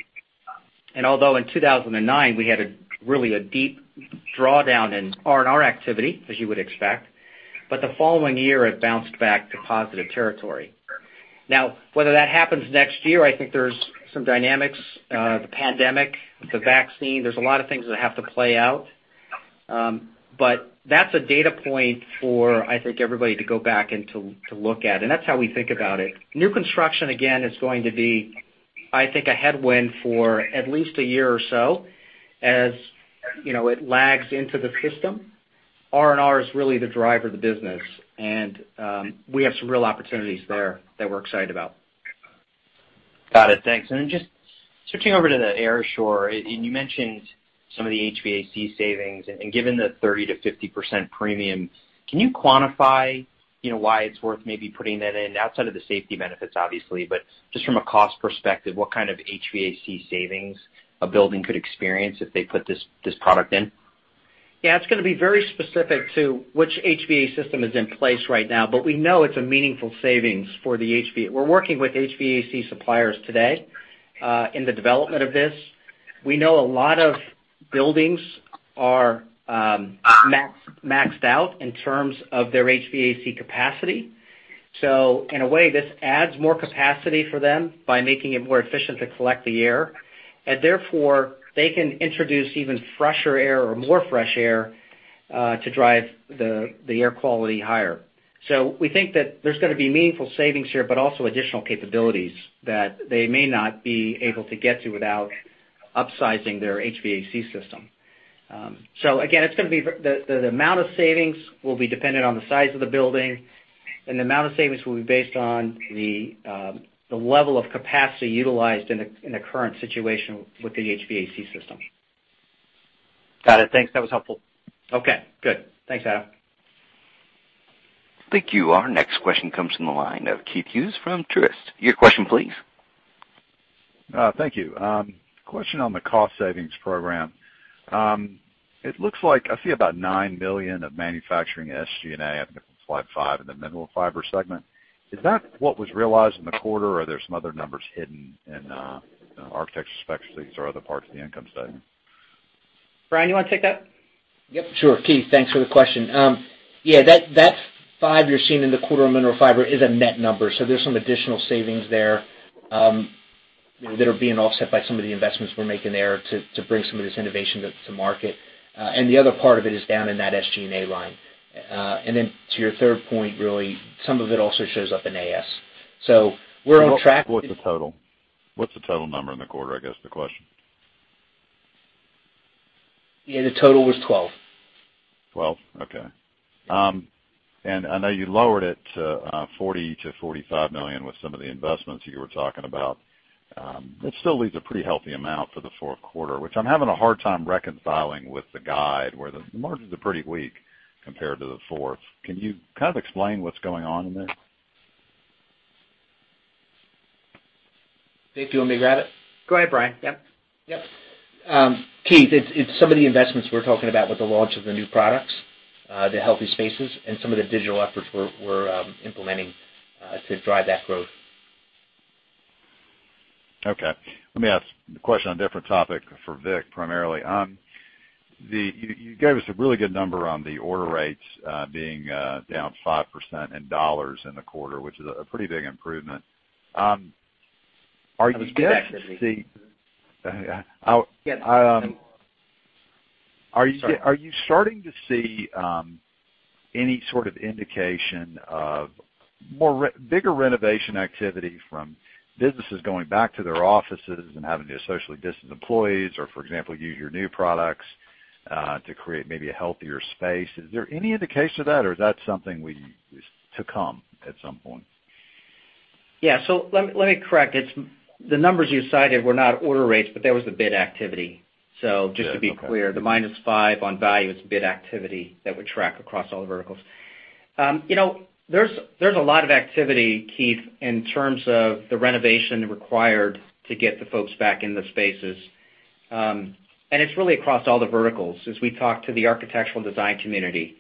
Although in 2009, we had really a deep drawdown in R&R activity, as you would expect, but the following year, it bounced back to positive territory. Now, whether that happens next year, I think there's some dynamics. The pandemic, the vaccine, there's a lot of things that have to play out. That's a data point for, I think, everybody to go back and to look at, and that's how we think about it. New construction, again, is going to be, I think, a headwind for at least a year or so, as it lags into the system. R&R is really the driver of the business, and we have some real opportunities there that we're excited about. Got it. Thanks. Just switching over to the AirAssure. You mentioned some of the HVAC savings, given the 30%-50% premium, can you quantify why it's worth maybe putting that in, outside of the safety benefits, obviously? Just from a cost perspective, what kind of HVAC savings a building could experience if they put this product in? Yeah, it's going to be very specific to which HVAC system is in place right now. We know it's a meaningful savings for the HVAC. We're working with HVAC suppliers today in the development of this. We know a lot of buildings are maxed out in terms of their HVAC capacity. In a way, this adds more capacity for them by making it more efficient to collect the air. Therefore, they can introduce even fresher air or more fresh air to drive the air quality higher. We think that there's going to be meaningful savings here, but also additional capabilities that they may not be able to get to without upsizing their HVAC system. Again, the amount of savings will be dependent on the size of the building, and the amount of savings will be based on the level of capacity utilized in the current situation with the HVAC system. Got it. Thanks. That was helpful. Okay, good. Thanks, Adam. Thank you. Our next question comes from the line of Keith Hughes from Truist. Your question, please. Thank you. Question on the cost savings program. It looks like I see about $9 million of manufacturing SG&A happening in like five in the Mineral Fiber segment. Is that what was realized in the quarter, or are there some other numbers hidden in Architectural Specialties or other parts of the income statement? Brian, you want to take that? Yep, sure. Keith, thanks for the question. That five you're seeing in the quarter on Mineral Fiber is a net number. There's some additional savings there. That are being offset by some of the investments we're making there to bring some of this innovation to market. The other part of it is down in that SG&A line. To your third point, really, some of it also shows up in AS. We're on track. What's the total number in the quarter, I guess, is the question. Yeah, the total was 12. 12? Okay. I know you lowered it to $40 million-$45 million with some of the investments you were talking about. That still leaves a pretty healthy amount for the fourth quarter, which I'm having a hard time reconciling with the guide, where the margins are pretty weak compared to the fourth. Can you kind of explain what's going on in this? Vic, do you want me to grab it? Go ahead, Brian. Yep. Yep. Keith, it's some of the investments we're talking about with the launch of the new products, the Healthy Spaces, and some of the digital efforts we're implementing to drive that growth. Okay. Let me ask the question on a different topic for Vic, primarily. You gave us a really good number on the order rates being down 5% in dollars in the quarter, which is a pretty big improvement. Are you starting to see any sort of indication of bigger renovation activity from businesses going back to their offices and having to socially distance employees or, for example, use your new products to create maybe a Healthy Spaces? Is there any indication of that, or is that something to come at some point? Yeah. Let me correct. The numbers you cited were not order rates, but that was the bid activity. Just to be clear, the -5 on value is bid activity that we track across all the verticals. There's a lot of activity, Keith, in terms of the renovation required to get the folks back in the spaces. It's really across all the verticals as we talk to the architectural design community.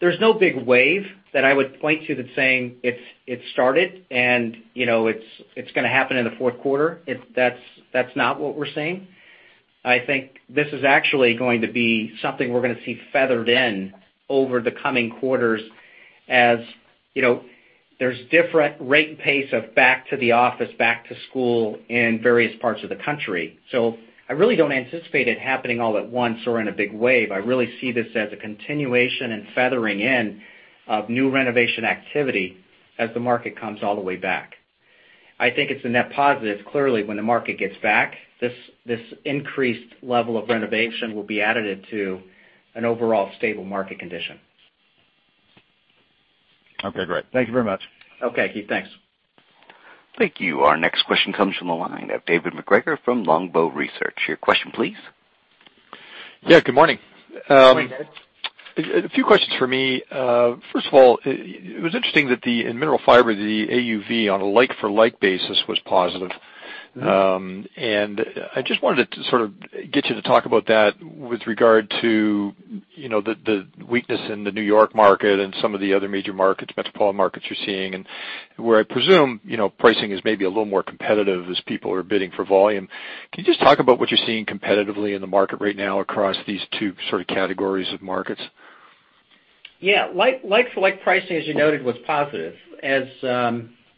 There's no big wave that I would point to that's saying it's started and it's going to happen in the fourth quarter. That's not what we're saying. I think this is actually going to be something we're going to see feathered in over the coming quarters as there's different rate and pace of back to the office, back to school in various parts of the country. I really don't anticipate it happening all at once or in a big wave. I really see this as a continuation and feathering in of new renovation activity as the market comes all the way back. I think it's a net positive. Clearly, when the market gets back, this increased level of renovation will be added to an overall stable market condition. Okay, great. Thank you very much. Okay, Keith. Thanks. Thank you. Our next question comes from the line of David MacGregor from Longbow Research. Your question, please. Yeah, good morning. Good morning, David. A few questions for me. First of all, it was interesting that in Mineral Fiber, the AUV on a like-for-like basis was positive. I just wanted to sort of get you to talk about that with regard to the weakness in the New York market and some of the other major markets, metropolitan markets you're seeing, and where I presume pricing is maybe a little more competitive as people are bidding for volume. Can you just talk about what you're seeing competitively in the market right now across these two sort of categories of markets? Yeah. Like-for-like pricing, as you noted, was positive. As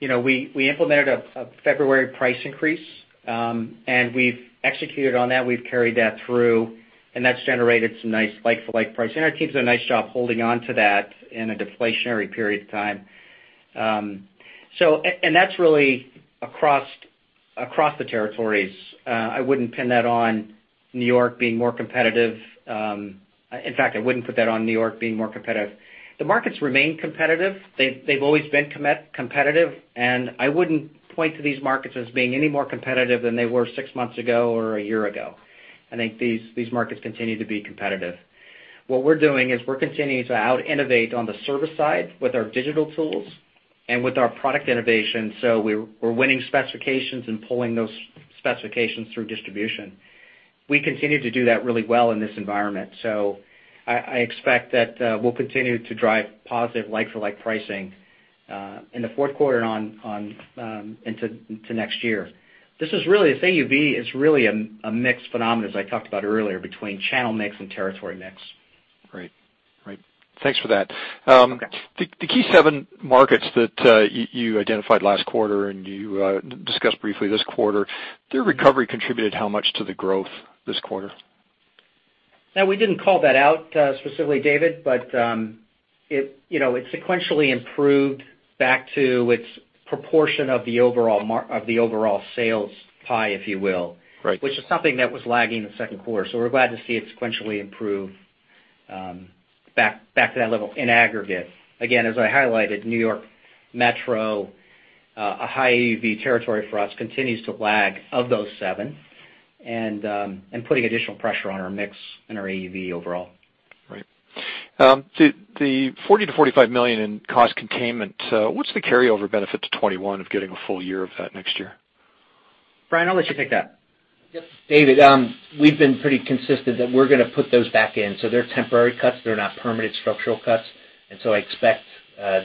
we implemented a February price increase, and we've executed on that, we've carried that through, and that's generated some nice like-for-like pricing. Our team's done a nice job holding onto that in a deflationary period of time. That's really across the territories. I wouldn't pin that on New York being more competitive. In fact, I wouldn't put that on New York being more competitive. The markets remain competitive. They've always been competitive, and I wouldn't point to these markets as being any more competitive than they were six months ago or a year ago. I think these markets continue to be competitive. What we're doing is we're continuing to out-innovate on the service side with our digital tools and with our product innovation. We're winning specifications and pulling those specifications through distribution. We continue to do that really well in this environment. I expect that we'll continue to drive positive like-for-like pricing in the fourth quarter and into next year. This AUV is really a mixed phenomenon, as I talked about earlier, between channel mix and territory mix. Great. Thanks for that. The key seven markets that you identified last quarter and you discussed briefly this quarter, their recovery contributed how much to the growth this quarter? Now, we didn't call that out specifically, David, but it sequentially improved back to its proportion of the overall sales pie, if you will. Right. Which is something that was lagging in the second quarter. We're glad to see it sequentially improve back to that level in aggregate. As I highlighted, New York Metro, a high AUV territory for us, continues to lag of those seven, putting additional pressure on our mix and our AUV overall. Right. The $40 million-$45 million in cost containment, what's the carryover benefit to 2021 of getting a full-year of that next year? Brian, I'll let you take that. Yep. David, we've been pretty consistent that we're going to put those back in. They're temporary cuts. They're not permanent structural cuts. I expect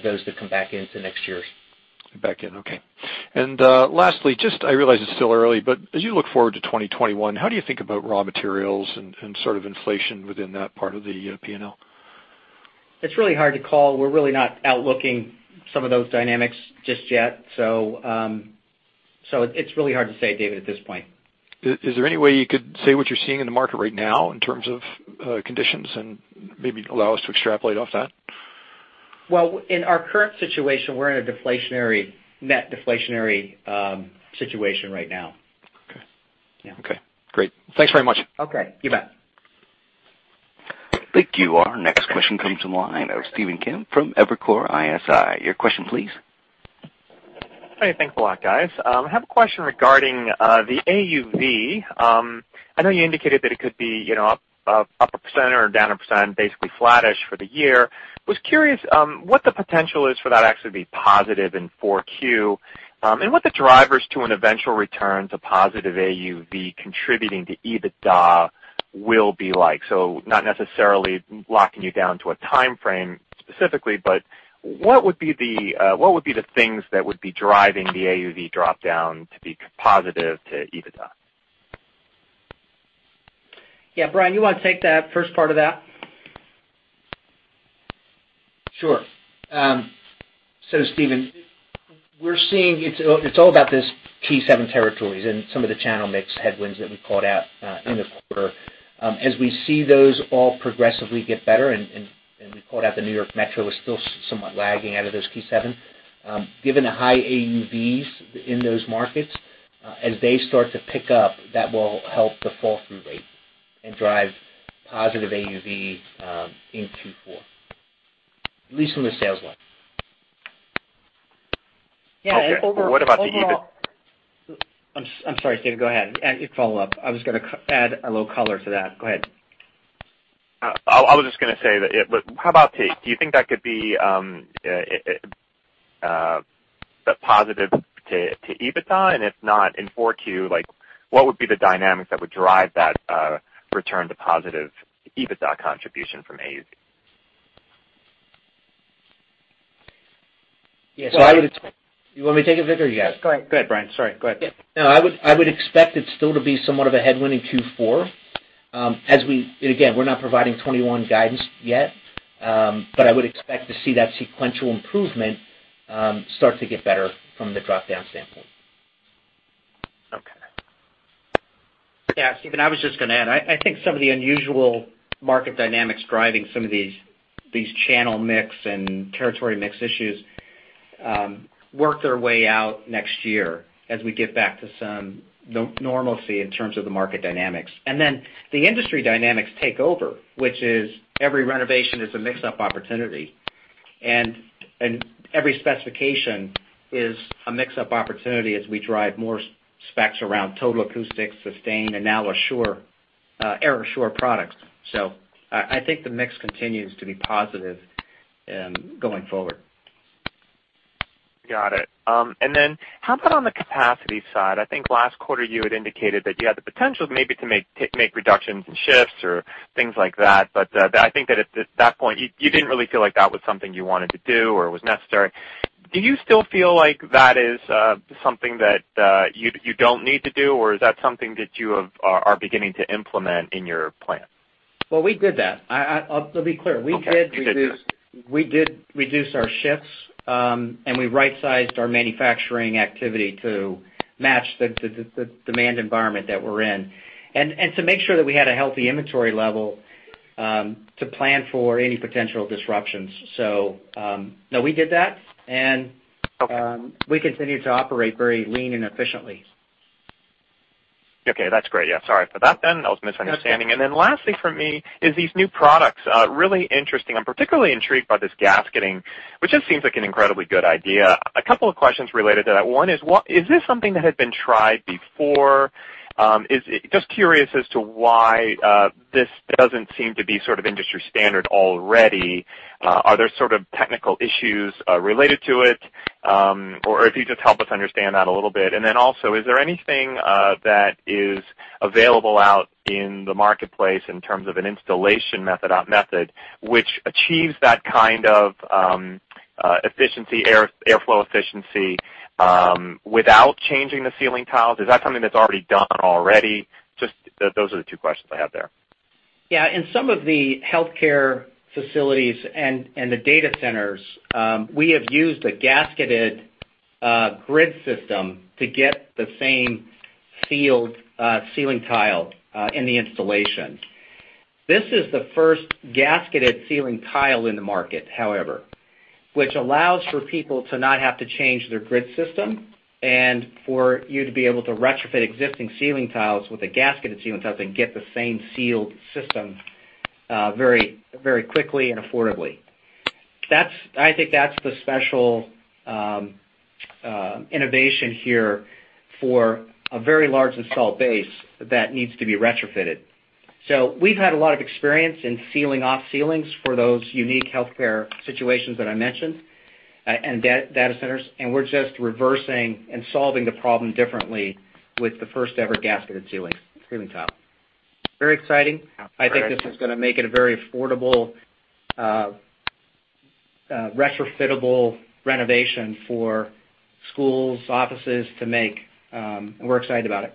those to come back into next year's. Back in, okay. Lastly, I realize it's still early, but as you look forward to 2021, how do you think about raw materials and sort of inflation within that part of the P&L? It's really hard to call. We're really not outlooking some of those dynamics just yet. It's really hard to say, David, at this point. Is there any way you could say what you're seeing in the market right now in terms of conditions and maybe allow us to extrapolate off that? Well, in our current situation, we're in a net deflationary situation right now. Okay. Yeah. Okay, great. Thanks very much. Okay, you bet. Thank you. Our next question comes from the line of Stephen Kim from Evercore ISI. Your question, please. Hey, thanks a lot, guys. I have a question regarding the AUV. I know you indicated that it could be up 1% or down 1%, basically flattish for the year. Was curious what the potential is for that actually to be positive in 4Q, and what the drivers to an eventual return to positive AUV contributing to EBITDA will be like. Not necessarily locking you down to a timeframe specifically, but what would be the things that would be driving the AUV dropdown to be positive to EBITDA? Yeah. Brian, you want to take that first part of that? Sure. Stephen, we're seeing it's all about these key seven territories and some of the channel mix headwinds that we called out in the quarter. As we see those all progressively get better, and we called out the New York Metro is still somewhat lagging out of those key seven. Given the high AUVs in those markets, as they start to pick up, that will help the fall-through rate and drive positive AUV in Q4, at least from the sales line. Okay. What about the EBIT? I'm sorry, Stephen, go ahead. Follow-up. I was going to add a little color to that. Go ahead. I was just going to say that, do you think that could be positive to EBITDA? If not, in 4Q, what would be the dynamics that would drive that return to positive EBITDA contribution from AUV? You want me to take it, Vic, or you got it? Go ahead, Brian. Sorry, go ahead. Yeah. No, I would expect it still to be somewhat of a headwind in Q4. Again, we're not providing 2021 guidance yet, I would expect to see that sequential improvement start to get better from the dropdown standpoint. Okay. Yeah, Stephen, I was just going to add, I think some of the unusual market dynamics driving some of these channel mix and territory mix issues work their way out next year as we get back to some normalcy in terms of the market dynamics. The industry dynamics take over, which is every renovation is a mix-up opportunity, and every specification is a mix-up opportunity as we drive more specs around Total Acoustics, Sustain, and now our AirAssure products. I think the mix continues to be positive going forward. Got it. How about on the capacity side? I think last quarter you had indicated that you had the potential maybe to make reductions in shifts or things like that, but I think that at that point, you didn't really feel like that was something you wanted to do or was necessary. Do you still feel like that is something that you don't need to do, or is that something that you are beginning to implement in your plan? Well, we did that. I'll be clear. Okay. You did do it. We did reduce our shifts, and we right-sized our manufacturing activity to match the demand environment that we're in and to make sure that we had a healthy inventory level to plan for any potential disruptions. No, we did that. We continue to operate very lean and efficiently. Okay, that's great. Yeah, sorry for that then. That was a misunderstanding. Lastly from me is these new products. Really interesting. I'm particularly intrigued by this gasketing, which just seems like an incredibly good idea. A couple of questions related to that. One is this something that had been tried before? Just curious as to why this doesn't seem to be sort of industry standard already. Are there sort of technical issues related to it? If you just help us understand that a little bit. Also, is there anything that is available out in the marketplace in terms of an installation method which achieves that kind of airflow efficiency without changing the ceiling tiles? Is that something that's already done already? Those are the two questions I have there. Yeah. In some of the healthcare facilities and the data centers, we have used a gasketed grid system to get the same sealed ceiling tile in the installation. This is the first gasketed ceiling tile in the market, however, which allows for people to not have to change their grid system, and for you to be able to retrofit existing ceiling tiles with a gasketed ceiling tile to get the same sealed system very quickly and affordably. I think that's the special innovation here for a very large install base that needs to be retrofitted. We've had a lot of experience in sealing off ceilings for those unique healthcare situations that I mentioned and data centers, and we're just reversing and solving the problem differently with the first ever gasketed ceiling tile. Very exciting. All right. I think this is going to make it a very affordable retrofittable renovation for schools, offices to make. We're excited about it.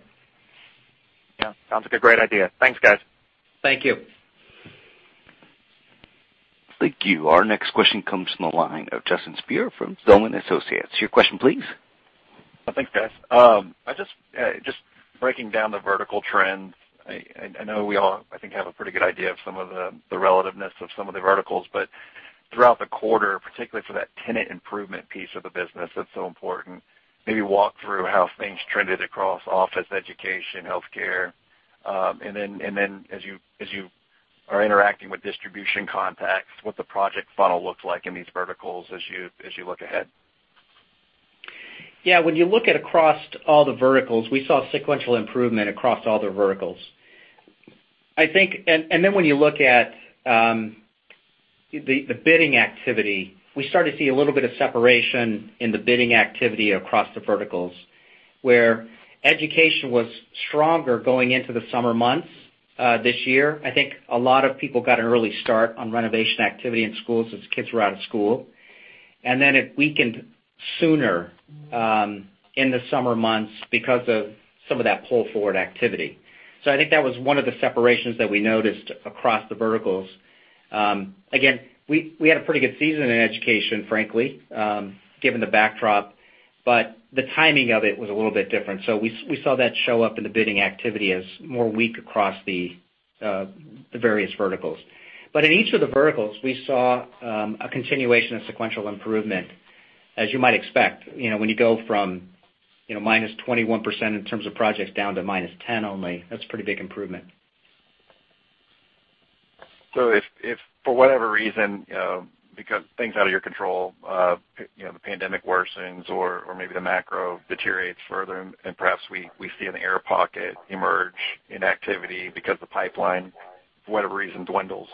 Sounds like a great idea. Thanks, guys. Thank you. Thank you. Our next question comes from the line of Justin Speer from Zelman & Associates. Your question, please? Thanks, guys. Just breaking down the vertical trends, I know we all, I think, have a pretty good idea of some of the relativeness of some of the verticals, but throughout the quarter, particularly for that tenant improvement piece of the business that's so important, maybe walk through how things trended across office education, healthcare? As you are interacting with distribution contacts, what the project funnel looks like in these verticals as you look ahead? Yeah. When you look at across all the verticals, we saw sequential improvement across all the verticals. When you look at the bidding activity, we started to see a little bit of separation in the bidding activity across the verticals, where education was stronger going into the summer months this year. I think a lot of people got an early start on renovation activity in schools as kids were out of school. It weakened sooner in the summer months because of some of that pull-forward activity. I think that was one of the separations that we noticed across the verticals. Again, we had a pretty good season in education, frankly, given the backdrop, but the timing of it was a little bit different. We saw that show up in the bidding activity as more weak across the various verticals. In each of the verticals, we saw a continuation of sequential improvement. As you might expect, when you go from -21% in terms of projects down to -10% only, that's a pretty big improvement. If for whatever reason, because things out of your control, the pandemic worsens or maybe the macro deteriorates further, and perhaps we see an air pocket emerge in activity because the pipeline, for whatever reason, dwindles.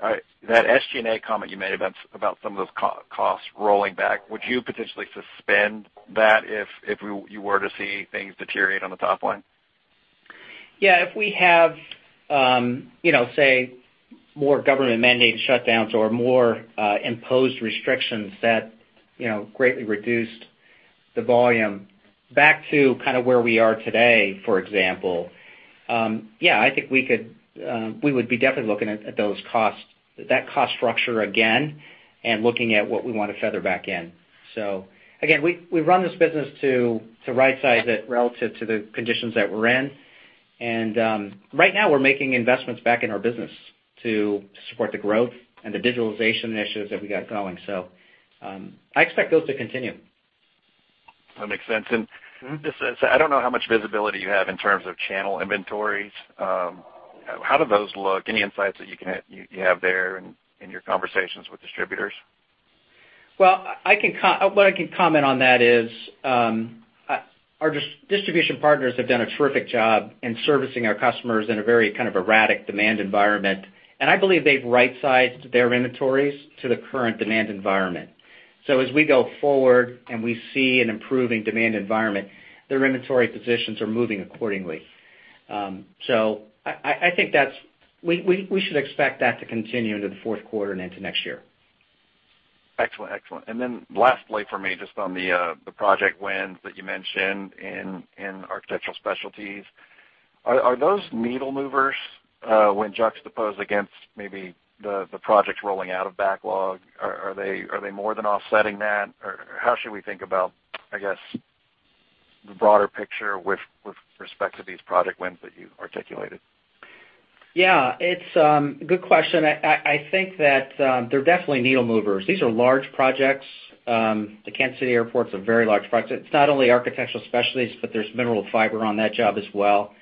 That SG&A comment you made about some of those costs rolling back, would you potentially suspend that if you were to see things deteriorate on the top-line? Yeah. If we have say, more government-mandated shutdowns or more imposed restrictions that greatly reduced the volume back to where we are today, for example, I think we would be definitely looking at those costs, that cost structure again, and looking at what we want to feather back in. Again, we run this business to rightsize it relative to the conditions that we're in. Right now, we're making investments back in our business to support the growth and the digitalization initiatives that we got going. I expect those to continue. That makes sense. Just as I don't know how much visibility you have in terms of channel inventories, how do those look? Any insights that you have there in your conversations with distributors? Well, what I can comment on that is, our distribution partners have done a terrific job in servicing our customers in a very kind of erratic demand environment, and I believe they've rightsized their inventories to the current demand environment. As we go forward and we see an improving demand environment, their inventory positions are moving accordingly. I think we should expect that to continue into the fourth quarter and into next year. Excellent. Lastly for me, just on the project wins that you mentioned in Architectural Specialties, are those needle movers when juxtaposed against maybe the projects rolling out of backlog? Are they more than offsetting that? How should we think about, I guess, the broader picture with respect to these project wins that you've articulated? Yeah. It's a good question. I think that they're definitely needle movers. These are large projects. The Kansas City Airport's a very large project. It's not only Architectural Specialties, but there's Mineral Fiber on that job as well.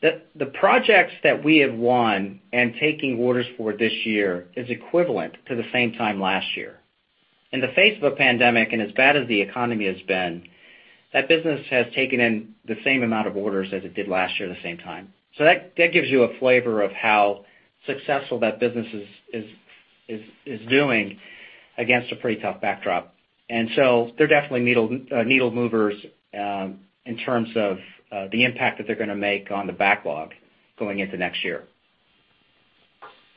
The projects that we have won and taking orders for this year is equivalent to the same time last year. In the face of a pandemic, and as bad as the economy has been, that business has taken in the same amount of orders as it did last year at the same time. That gives you a flavor of how successful that business is doing against a pretty tough backdrop. They're definitely needle movers in terms of the impact that they're going to make on the backlog going into next year.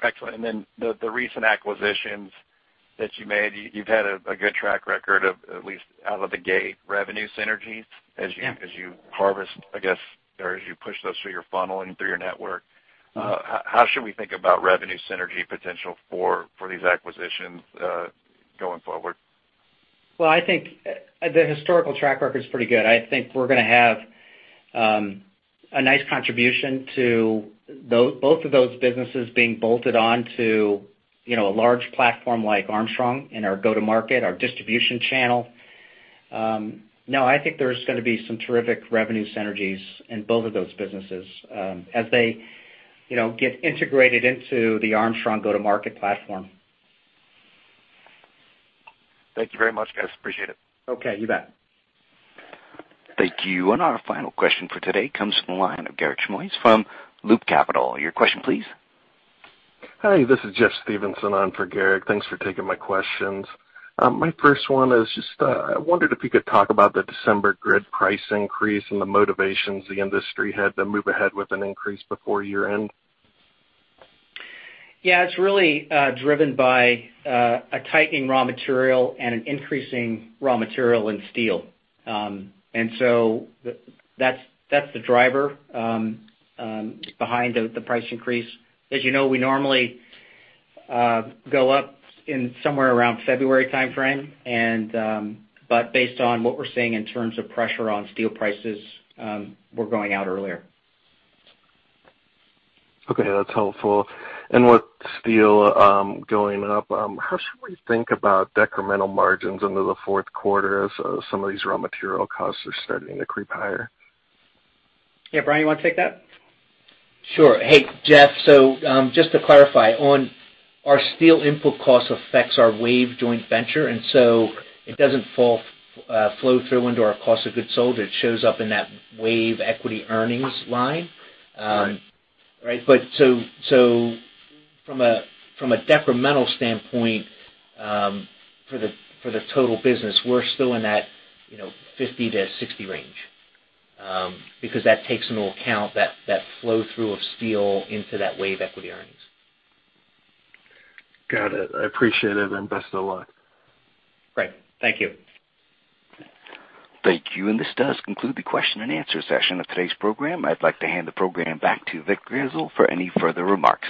Excellent. Then the recent acquisitions that you made, you've had a good track record of at least out of the gate revenue synergies. Yeah. As you harvest, I guess, or as you push those through your funnel and through your network, how should we think about revenue synergy potential for these acquisitions going forward? Well, I think the historical track record's pretty good. I think we're going to have a nice contribution to both of those businesses being bolted onto a large platform like Armstrong in our go-to-market, our distribution channel. No, I think there's going to be some terrific revenue synergies in both of those businesses as they get integrated into the Armstrong go-to-market platform. Thank you very much, guys. Appreciate it. Okay. You bet. Thank you. Our final question for today comes from the line of Garik Shmois from Loop Capital. Your question, please. Hi, this is Jeff Stevenson on for Garik. Thanks for taking my questions. My first one is just, I wondered if you could talk about the December grid price increase and the motivations the industry had to move ahead with an increase before year-end. Yeah, it's really driven by a tightening raw material and an increasing raw material in steel. That's the driver behind the price increase. As you know, we normally go up in somewhere around February timeframe, but based on what we're seeing in terms of pressure on steel prices, we're going out earlier. Okay, that's helpful. With steel going up, how should we think about decremental margins into the fourth quarter as some of these raw material costs are starting to creep higher? Yeah, Brian, you want to take that? Sure. Hey, Jeff. Just to clarify, on our steel input cost affects our WAVE joint venture, and so it doesn't flow through into our cost of goods sold. It shows up in that WAVE equity earnings line. Right. From a decremental standpoint for the total business, we're still in that 50-60 range, because that takes into account that flow through of steel into that WAVE equity earnings. Got it. I appreciate it, and best of luck. Great. Thank you. Thank you. This does conclude the question and answer session of today's program. I'd like to hand the program back to Vic Grizzle for any further remarks.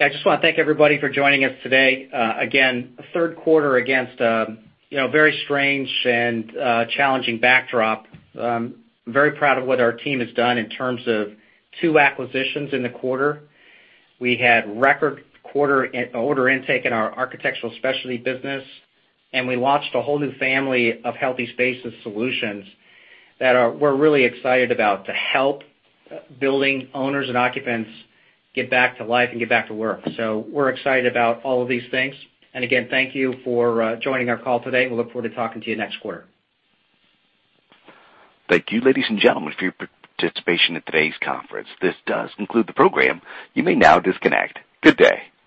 I just want to thank everybody for joining us today. A third quarter against a very strange and challenging backdrop. I'm very proud of what our team has done in terms of two acquisitions in the quarter. We had record quarter order intake in our Architectural Specialties business, and we launched a whole new family of Healthy Spaces solutions that we're really excited about to help building owners and occupants get back to life and get back to work. We're excited about all of these things. Again, thank you for joining our call today. We look forward to talking to you next quarter. Thank you, ladies and gentlemen, for your participation in today's conference. This does conclude the program. You may now disconnect. Good day.